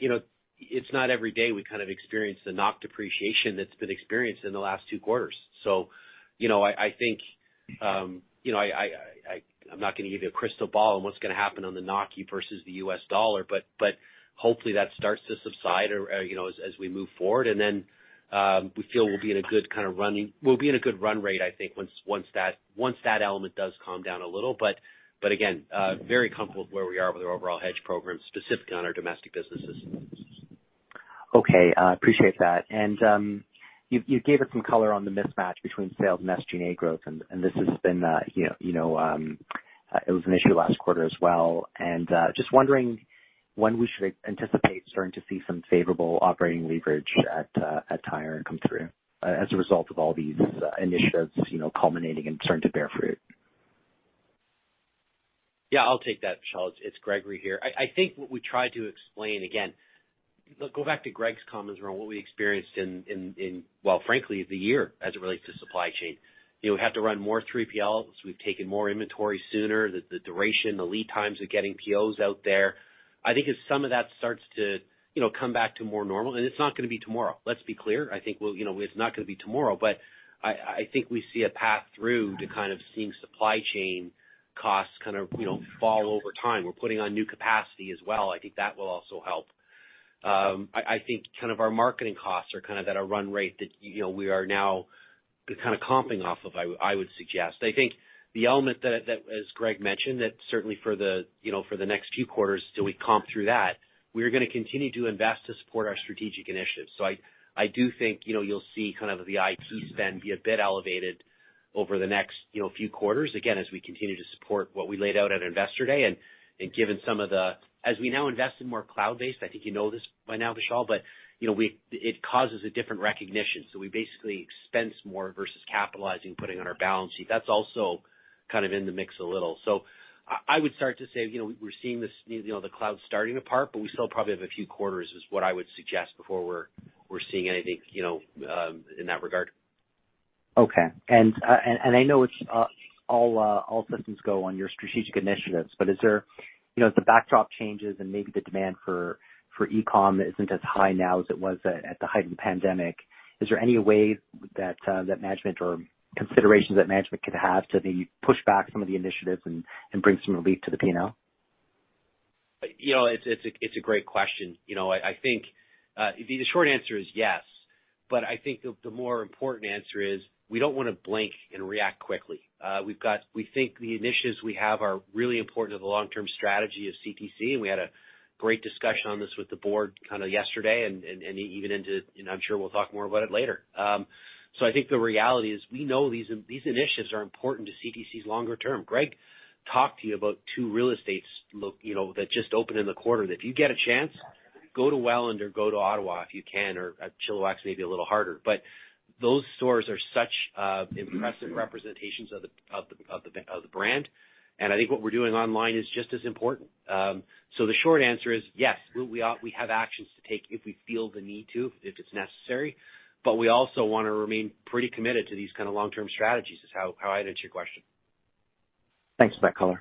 You know, it's not every day we kind of experience the NOK depreciation that's been experienced in the last two quarters. You know, I think, you know, I'm not gonna give you a crystal ball on what's gonna happen on the NOK versus the U.S. Dollar, but hopefully that starts to subside or, you know, as we move forward. We feel we'll be in a good run rate, I think, once that element does calm down a little. But again, very comfortable with where we are with our overall hedge program, specifically on our domestic businesses. Okay, I appreciate that. You gave us some color on the mismatch between sales and SG&A growth, and this has been, you know, it was an issue last quarter as well. Just wondering when we should anticipate starting to see some favorable operating leverage at Tire come through as a result of all these initiatives, you know, culminating and starting to bear fruit? Yeah, I'll take that, Vishal. It's Gregory here. I think what we try to explain, again, go back to Greg's comments around what we experienced in well, frankly, the year as it relates to supply chain. You know, we have to run more 3PLs. We've taken more inventory sooner. The duration, the lead times of getting POs out there. I think as some of that starts to, you know, come back to more normal and it's not gonna be tomorrow. Let's be clear. I think we'll, you know, it's not gonna be tomorrow, but I think we see a path through to kind of seeing supply chain costs kind of, you know, fall over time. We're putting on new capacity as well. I think that will also help. I think kind of our marketing costs are kind of at a run rate that, you know, we are now kind of comping off of, I would suggest. I think the element that, as Greg mentioned, that certainly for the, you know, for the next few quarters till we comp through that, we're gonna continue to invest to support our strategic initiatives. I do think, you know, you'll see kind of the IT spend be a bit elevated over the next, you know, few quarters, again, as we continue to support what we laid out at Investor Day. As we now invest in more cloud-based, I think you know this by now, Vishal, but, you know, it causes a different recognition. We basically expense more versus capitalizing, putting on our balance sheet. That's also kind of in the mix a little. I would start to say, you know, we're seeing this, you know, the cloud starting to part, but we still probably have a few quarters, is what I would suggest before we're seeing anything, you know, in that regard. Okay. I know it's all systems go on your strategic initiatives, but you know, as the backdrop changes and maybe the demand for e-com isn't as high now as it was at the height of the pandemic, is there any way that management or considerations that management could have to maybe push back some of the initiatives and bring some relief to the P&L? You know, it's a great question. You know, I think the short answer is yes, but I think the more important answer is we don't wanna blink and react quickly. We think the initiatives we have are really important to the long-term strategy of CTC, and we had a great discussion on this with the board kind of yesterday and even into, and I'm sure we'll talk more about it later. So I think the reality is we know these initiatives are important to CTC's longer term. Greg talked to you about two real estates, look, you know, that just opened in the quarter. If you get a chance, go to Welland or go to Ottawa, if you can, or Chilliwack's maybe a little harder. Those stores are such impressive representations of the brand. I think what we're doing online is just as important. The short answer is yes. We have actions to take if we feel the need to, if it's necessary, but we also wanna remain pretty committed to these kind of long-term strategies, is how I'd answer your question. Thanks for that color.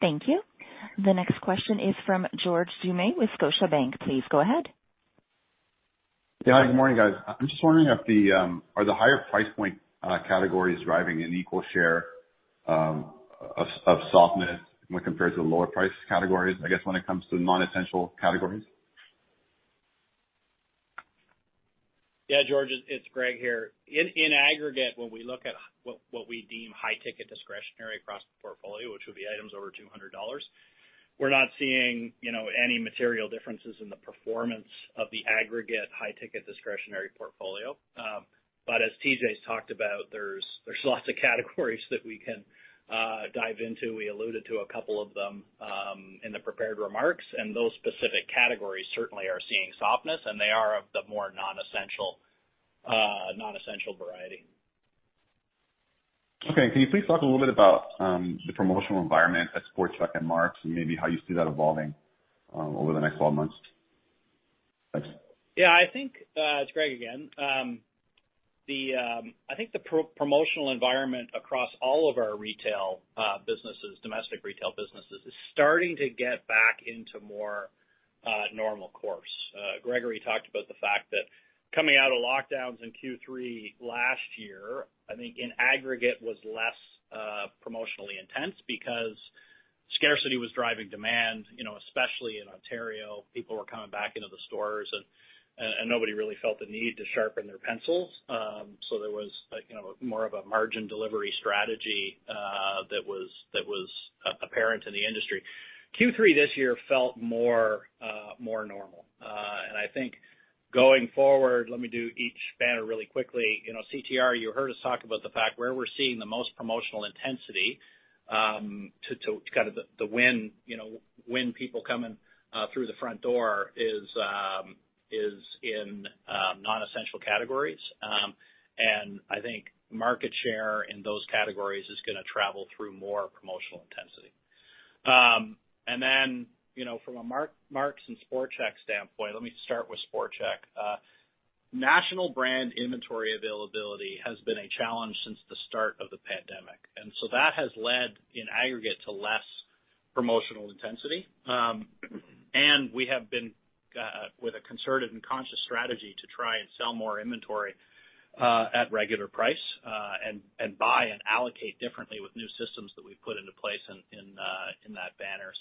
Thank you. The next question is from George Doumet with Scotiabank. Please go ahead. Yeah. Good morning, guys. I'm just wondering if the higher price point categories are driving an equal share of softness when compared to the lower price categories, I guess when it comes to non-essential categories? Yeah, George, it's Greg here. In aggregate, when we look at what we deem high ticket discretionary across the portfolio, which would be items over 200 dollars, we're not seeing, you know, any material differences in the performance of the aggregate high ticket discretionary portfolio. But as TJ's talked about, there's lots of categories that we can dive into. We alluded to a couple of them in the prepared remarks, and those specific categories certainly are seeing softness, and they are of the more non-essential variety. Okay. Can you please talk a little bit about the promotional environment at SportChek and Mark's and maybe how you see that evolving over the next 12 months? Thanks. Yeah, I think it's Greg again. The promotional environment across all of our retail businesses, domestic retail businesses, is starting to get back into more normal course. Gregory talked about the fact that coming out of lockdowns in Q3 last year, I think in aggregate was less promotionally intense because scarcity was driving demand, you know, especially in Ontario. People were coming back into the stores and nobody really felt the need to sharpen their pencils. So there was like, you know, more of a margin delivery strategy that was apparent in the industry. Q3 this year felt more normal. I think going forward, let me do each banner really quickly. You know, CTR, you heard us talk about the fact where we're seeing the most promotional intensity to kind of win people coming through the front door is in non-essential categories. I think market share in those categories is gonna travel through more promotional intensity. You know, from a Mark's and SportChek standpoint, let me start with SportChek. National brand inventory availability has been a challenge since the start of the pandemic. That has led, in aggregate, to less promotional intensity. We have been with a concerted and conscious strategy to try and sell more inventory at regular price and buy and allocate differently with new systems that we've put into place in that banner.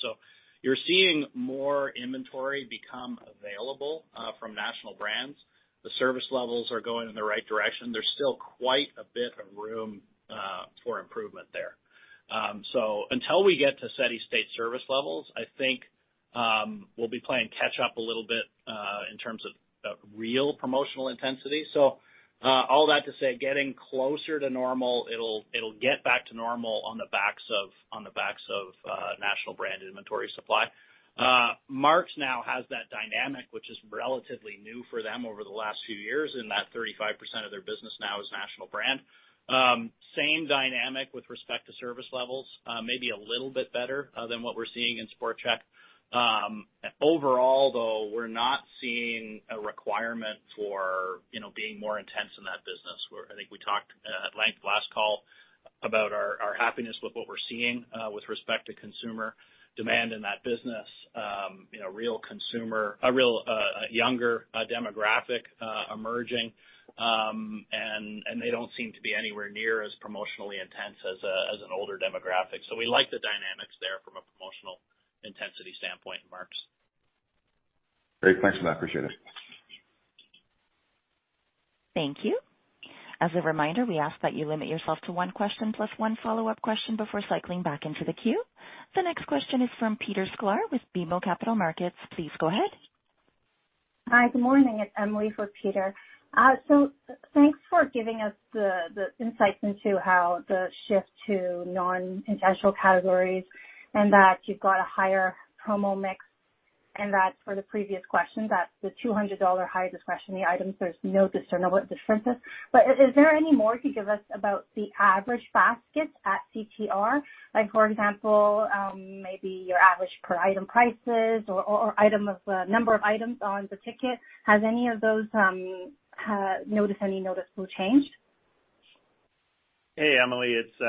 You're seeing more inventory become available from national brands. The service levels are going in the right direction. There's still quite a bit of room for improvement there. Until we get to steady-state service levels, I think we'll be playing catch-up a little bit in terms of real promotional intensity. All that to say, getting closer to normal, it'll get back to normal on the backs of national brand inventory supply. Mark's now has that dynamic, which is relatively new for them over the last few years in that 35% of their business now is national brand. Same dynamic with respect to service levels, maybe a little bit better than what we're seeing in SportChek. Overall, though, we're not seeing a requirement for, you know, being more intense in that business where I think we talked at length last call about our happiness with what we're seeing with respect to consumer demand in that business. You know, real consumer, a real younger demographic emerging, and they don't seem to be anywhere near as promotionally intense as an older demographic. We like the dynamics there from a promotional intensity standpoint in Mark's. Great. Thanks for that. Appreciate it. Thank you. As a reminder, we ask that you limit yourself to one question plus one follow-up question before cycling back into the queue. The next question is from Peter Sklar with BMO Capital Markets. Please go ahead. Hi, good morning. It's Emily for Peter Sklar. Thanks for giving us the insights into how the shift to non-essential categories and that you've got a higher promo mix, and that's for the previous question, that the 200-dollar high discretionary items, there's no discernible differences. Is there any more you can give us about the average basket at CTR? Like, for example, maybe your average per-item prices or number of items on the ticket. Has any of those notice any noticeable change? Hey, Emily, it's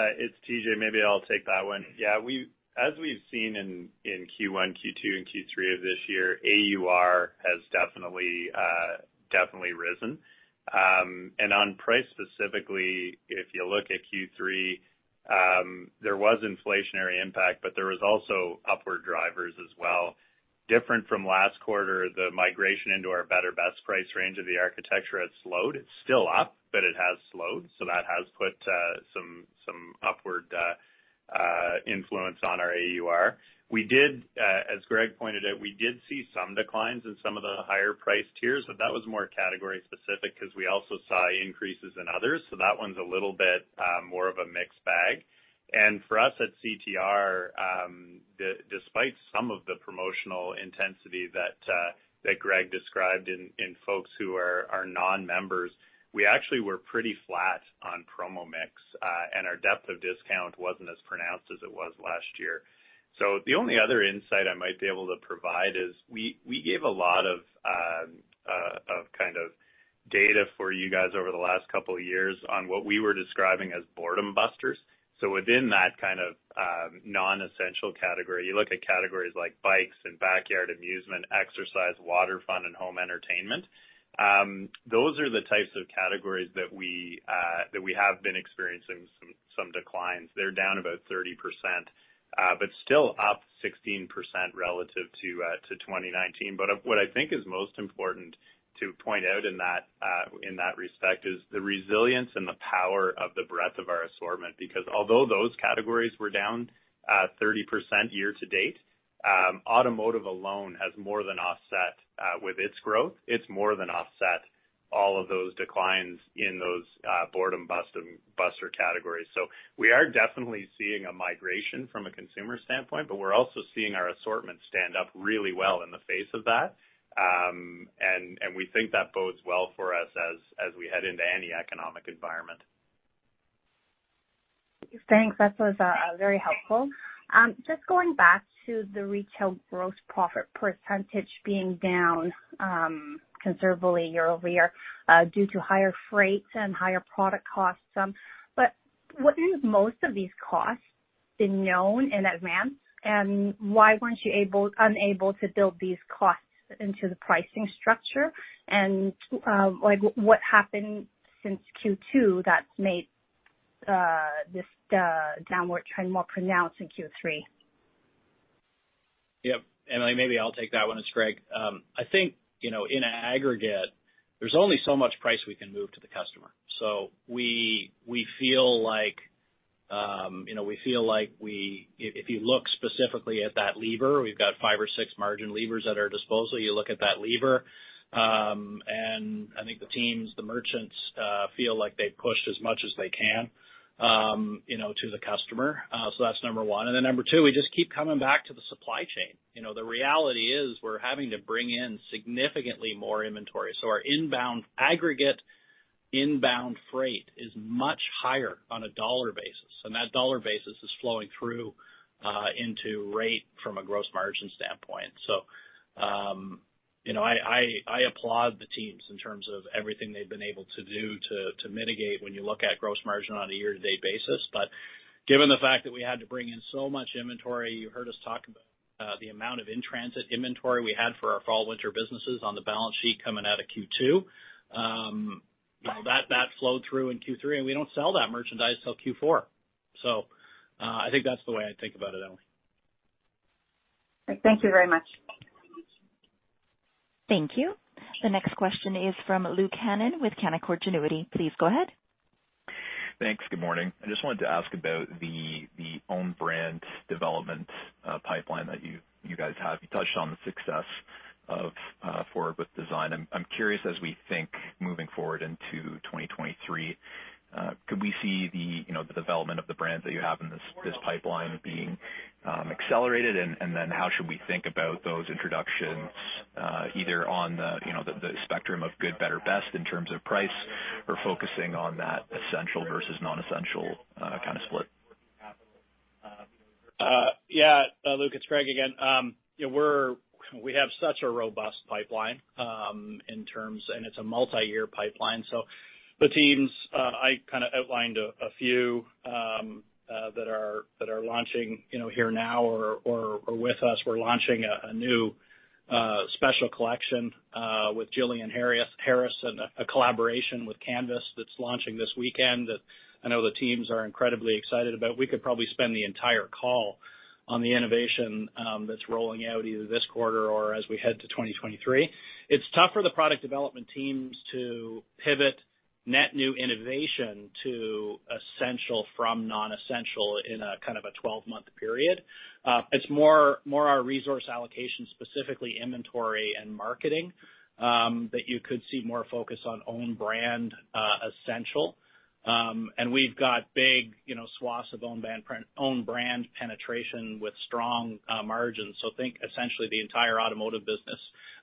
TJ. Maybe I'll take that one. Yeah, as we've seen in Q1, Q2, and Q3 of this year, AUR has definitely risen. On price specifically, if you look at Q3, there was inflationary impact, but there was also upward drivers as well. Different from last quarter, the migration into our better best price range of the architecture had slowed. It's still up, but it has slowed. That has put some upward influence on our AUR. As Greg pointed out, we did see some declines in some of the higher-priced tiers, but that was more category-specific because we also saw increases in others. That one's a little bit more of a mixed bag. For us at CTR, despite some of the promotional intensity that Greg described in folks who are non-members, we actually were pretty flat on promo mix, and our depth of discount wasn't as pronounced as it was last year. The only other insight I might be able to provide is we gave a lot of kind of data for you guys over the last couple of years on what we were describing as boredom busters. Within that kind of non-essential category, you look at categories like bikes and backyard amusement, exercise, water, fun, and home entertainment. Those are the types of categories that we have been experiencing some declines. They're down about 30%, but still up 16% relative to 2019. What I think is most important to point out in that respect is the resilience and the power of the breadth of our assortment. Because although those categories were down 30% year to date, automotive alone has more than offset with its growth. It's more than offset all of those declines in those boredom-buster categories. We are definitely seeing a migration from a consumer standpoint, but we're also seeing our assortment stand up really well in the face of that. And we think that bodes well for us as we head into any economic environment. Thanks. That was very helpful. Just going back to the retail gross profit percentage being down considerably year-over-year due to higher freight and higher product costs. Wouldn't most of these costs been known in advance? Why weren't you able to build these costs into the pricing structure? Like, what happened since Q2 that's made this downward trend more pronounced in Q3? Yep. Emily, maybe I'll take that one. It's Greg. I think, you know, in aggregate, there's only so much price we can move to the customer. We feel like if you look specifically at that lever, we've got five or six margin levers at our disposal. You look at that lever, and I think the teams, the merchants, feel like they've pushed as much as they can, you know, to the customer. That's number one. Number two, we just keep coming back to the supply chain. You know, the reality is we're having to bring in significantly more inventory. Our aggregate inbound freight is much higher on a dollar basis, and that dollar basis is flowing through into rate from a gross margin standpoint. You know, I applaud the teams in terms of everything they've been able to do to mitigate when you look at gross margin on a year-to-date basis. Given the fact that we had to bring in so much inventory, you heard us talk about the amount of in-transit inventory we had for our fall/winter businesses on the balance sheet coming out of Q2. You know, that flowed through in Q3, and we don't sell that merchandise till Q4. I think that's the way I think about it, Emily. Thank you very much. Thank you. The next question is from Luke Hannan with Canaccord Genuity. Please go ahead. Thanks. Good morning. I just wanted to ask about the own brand development pipeline that you guys have. You touched on the success of Forward With Design. I'm curious as we think moving forward into 2023, could we see you know the development of the brands that you have in this pipeline being accelerated? Then how should we think about those introductions, either on you know the spectrum of good, better, best in terms of price or focusing on that essential versus non-essential kind of split? Luke, it's Greg again. We have such a robust pipeline in terms and it's a multi-year pipeline. The teams I kind of outlined a few that are launching, you know, here now or with us. We're launching a new special collection with Jillian Harris and a collaboration with CANVAS that's launching this weekend that I know the teams are incredibly excited about. We could probably spend the entire call on the innovation that's rolling out either this quarter or as we head to 2023. It's tough for the product development teams to pivot net new innovation to essential from non-essential in a kind of a twelve-month period. It's more our resource allocation, specifically inventory and marketing, that you could see more focus on own brand essentials. We've got big, you know, swaths of own brand penetration with strong margins. Think essentially the entire automotive business.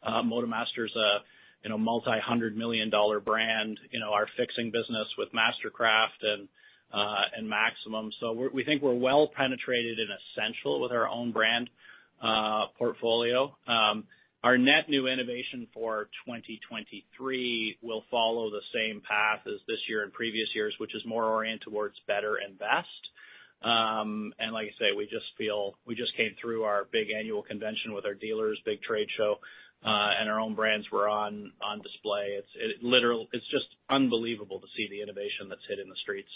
MotoMaster is a, you know, multi-hundred-million dollar brand. You know, our fixing business with Mastercraft and MAXIMUM. We think we're well penetrated and essential with our own brand portfolio. Our net new innovation for 2023 will follow the same path as this year and previous years, which is more oriented towards better and best. Like I say, we just came through our big annual convention with our dealers, big trade show, and our own brands were on display. It's just unbelievable to see the innovation that's hit in the streets.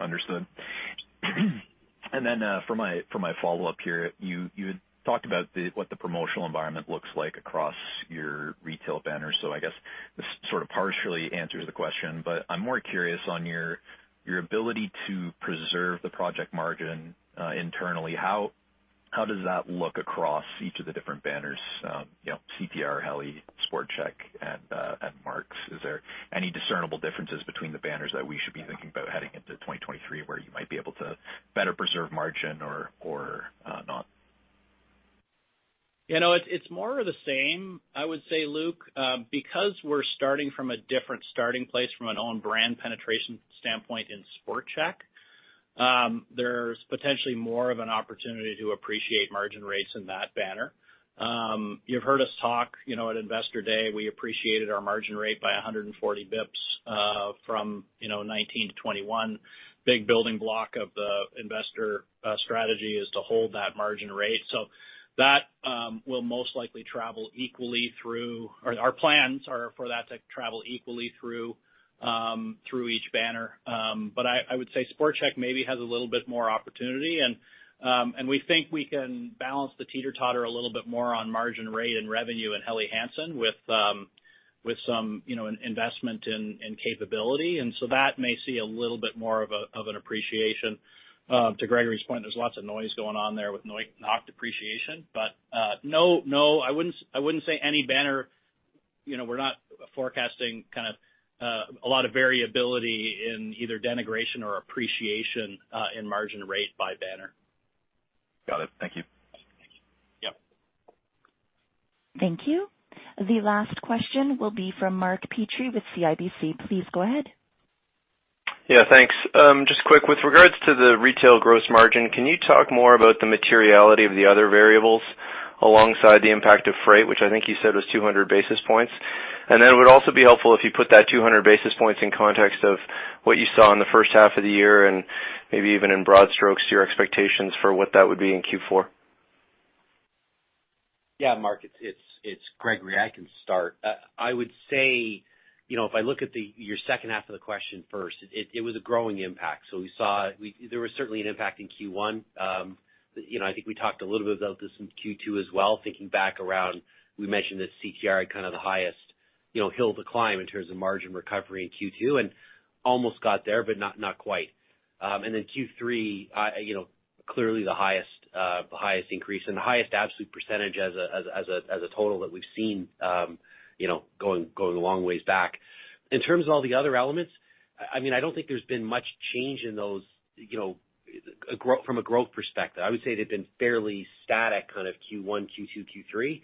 Understood. For my follow-up here, you had talked about what the promotional environment looks like across your retail banners. I guess this sort of partially answers the question, I'm more curious on your ability to preserve the profit margin internally. How does that look across each of the different banners? You know, CTR, Helly, SportChek and Mark's. Is there any discernible differences between the banners that we should be thinking about heading into 2023, where you might be able to better preserve margin or not? You know, it's more of the same, I would say, Luke. Because we're starting from a different starting place from an own brand penetration standpoint in SportChek, there's potentially more of an opportunity to appreciate margin rates in that banner. You've heard us talk, you know, at Investor Day, we appreciated our margin rate by 100 basis points, you know, from 2019 to 2021. Big building block of the investor strategy is to hold that margin rate. That will most likely travel equally through each banner. Or our plans are for that to travel equally through each banner. I would say SportChek maybe has a little bit more opportunity and we think we can balance the teeter-totter a little bit more on margin rate and revenue in Helly Hansen with some, you know, investment and capability. That may see a little bit more of an appreciation. To Gregory's point, there's lots of noise going on there with NOK depreciation. I wouldn't say any banner. You know, we're not forecasting kind of a lot of variability in either depreciation or appreciation in margin rate by banner. Got it. Thank you. Yep. Thank you. The last question will be from Mark Petrie with CIBC. Please go ahead. Thanks. Just quick, with regards to the retail gross margin, can you talk more about the materiality of the other variables alongside the impact of freight, which I think you said was 200 basis points? It would also be helpful if you put that 200 basis points in context of what you saw in the first half of the year and maybe even in broad strokes, your expectations for what that would be in Q4. Yeah, Mark, it's Gregory. I can start. I would say, you know, if I look at your second half of the question first, it was a growing impact. There was certainly an impact in Q1. You know, I think we talked a little bit about this in Q2 as well, thinking back around, we mentioned that CTR had kind of the highest, you know, hill to climb in terms of margin recovery in Q2, and almost got there, but not quite. Q3, you know, clearly the highest increase and the highest absolute percentage as a total that we've seen, you know, going a long ways back. In terms of all the other elements, I mean, I don't think there's been much change in those, you know, from a growth perspective. I would say they've been fairly static kind of Q1, Q2, Q3.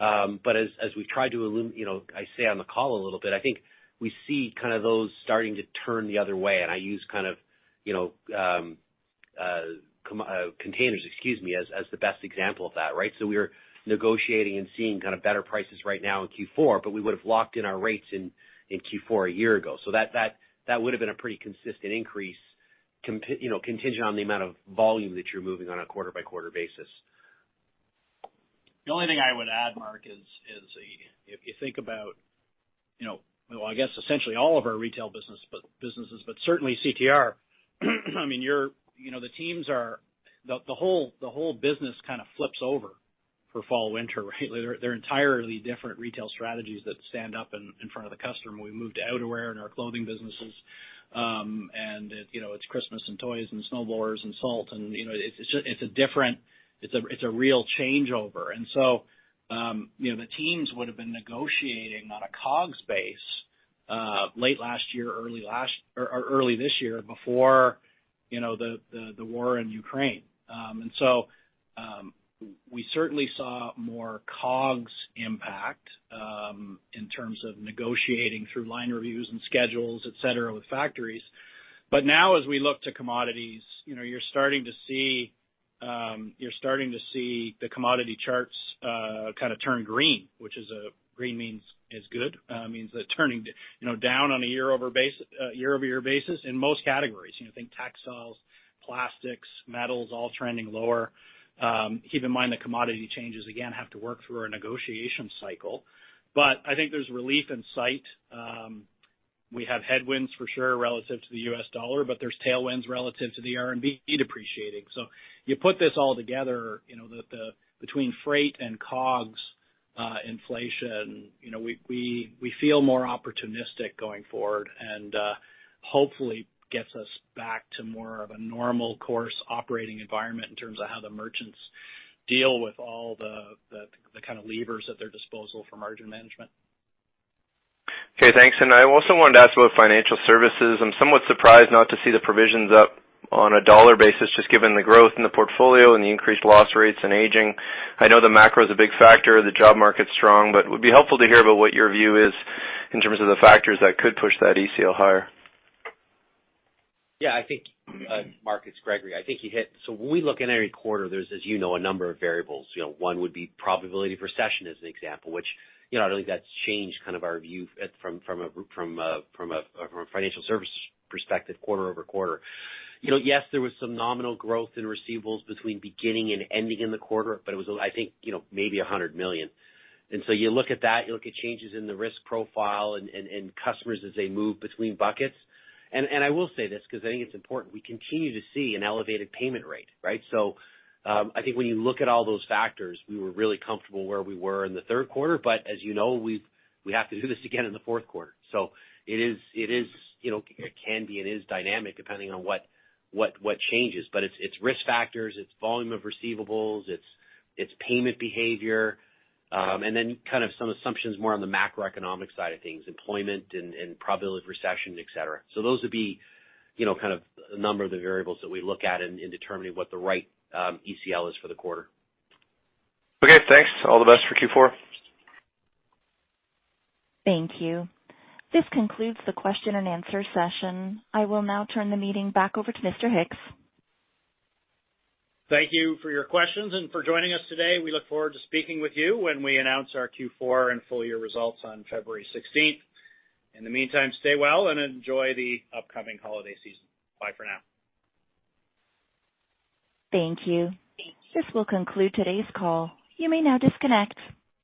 But as we've tried to you know, I say on the call a little bit, I think we see kind of those starting to turn the other way. I use kind of, you know, containers, excuse me, as the best example of that, right? We're negotiating and seeing kind of better prices right now in Q4, but we would've locked in our rates in Q4 a year ago. That would've been a pretty consistent increase you know, contingent on the amount of volume that you're moving on a quarter-by-quarter basis. The only thing I would add, Mark, is if you think about, you know, well, I guess essentially all of our retail businesses, but certainly CTR. I mean, you know, the teams are. The whole business kind of flips over for fall/winter, right? They're entirely different retail strategies that stand up in front of the customer when we move to outerwear and our clothing businesses. It, you know, it's Christmas and toys and snowblowers and salt and, you know, it's a different, it's a real changeover. You know, the teams would have been negotiating on a COGS base late last year or early this year before, you know, the war in Ukraine. We certainly saw more COGS impact in terms of negotiating through line reviews and schedules, et cetera, with factories. Now as we look to commodities, you know, you're starting to see the commodity charts kind of turn green. Green means it's good, means they're turning, you know, down on a year over year basis in most categories. You know, think textiles, plastics, metals, all trending lower. Keep in mind the commodity changes, again, have to work through our negotiation cycle. I think there's relief in sight. We have headwinds for sure relative to the US dollar, but there's tailwinds relative to the RMB depreciating. You put this all together, you know, the between freight and COGS inflation, you know, we feel more opportunistic going forward and hopefully gets us back to more of a normal course operating environment in terms of how the merchants deal with all the kind of levers at their disposal for margin management. Okay, thanks. I also wanted to ask about financial services. I'm somewhat surprised not to see the provisions up on a dollar basis, just given the growth in the portfolio and the increased loss rates and aging. I know the macro is a big factor, the job market's strong, but it would be helpful to hear about what your view is in terms of the factors that could push that ECL higher. Yeah, I think, Mark, it's Gregory. I think you hit. When we look at every quarter, there's, as you know, a number of variables. You know, one would be probability of recession as an example, which, you know, I don't think that's changed kind of our view from a financial service perspective quarter over quarter. You know, yes, there was some nominal growth in receivables between beginning and ending in the quarter, but it was, I think, you know, maybe 100 million. You look at that, you look at changes in the risk profile and customers as they move between buckets. I will say this 'cause I think it's important, we continue to see an elevated payment rate, right? I think when you look at all those factors, we were really comfortable where we were in the third quarter, but as you know, we have to do this again in the fourth quarter. It is, you know, it can be and is dynamic depending on what changes. But it's risk factors, it's volume of receivables, it's payment behavior, and then kind of some assumptions more on the macroeconomic side of things, employment and probability of recession, et cetera. Those would be, you know, kind of a number of the variables that we look at in determining what the right ECL is for the quarter. Okay, thanks. All the best for Q4. Thank you. This concludes the question and answer session. I will now turn the meeting back over to Mr. Hicks. Thank you for your questions and for joining us today. We look forward to speaking with you when we announce our Q4 and full-year results on February 16th. In the meantime, stay well and enjoy the upcoming holiday season. Bye for now. Thank you. This will conclude today's call. You may now disconnect.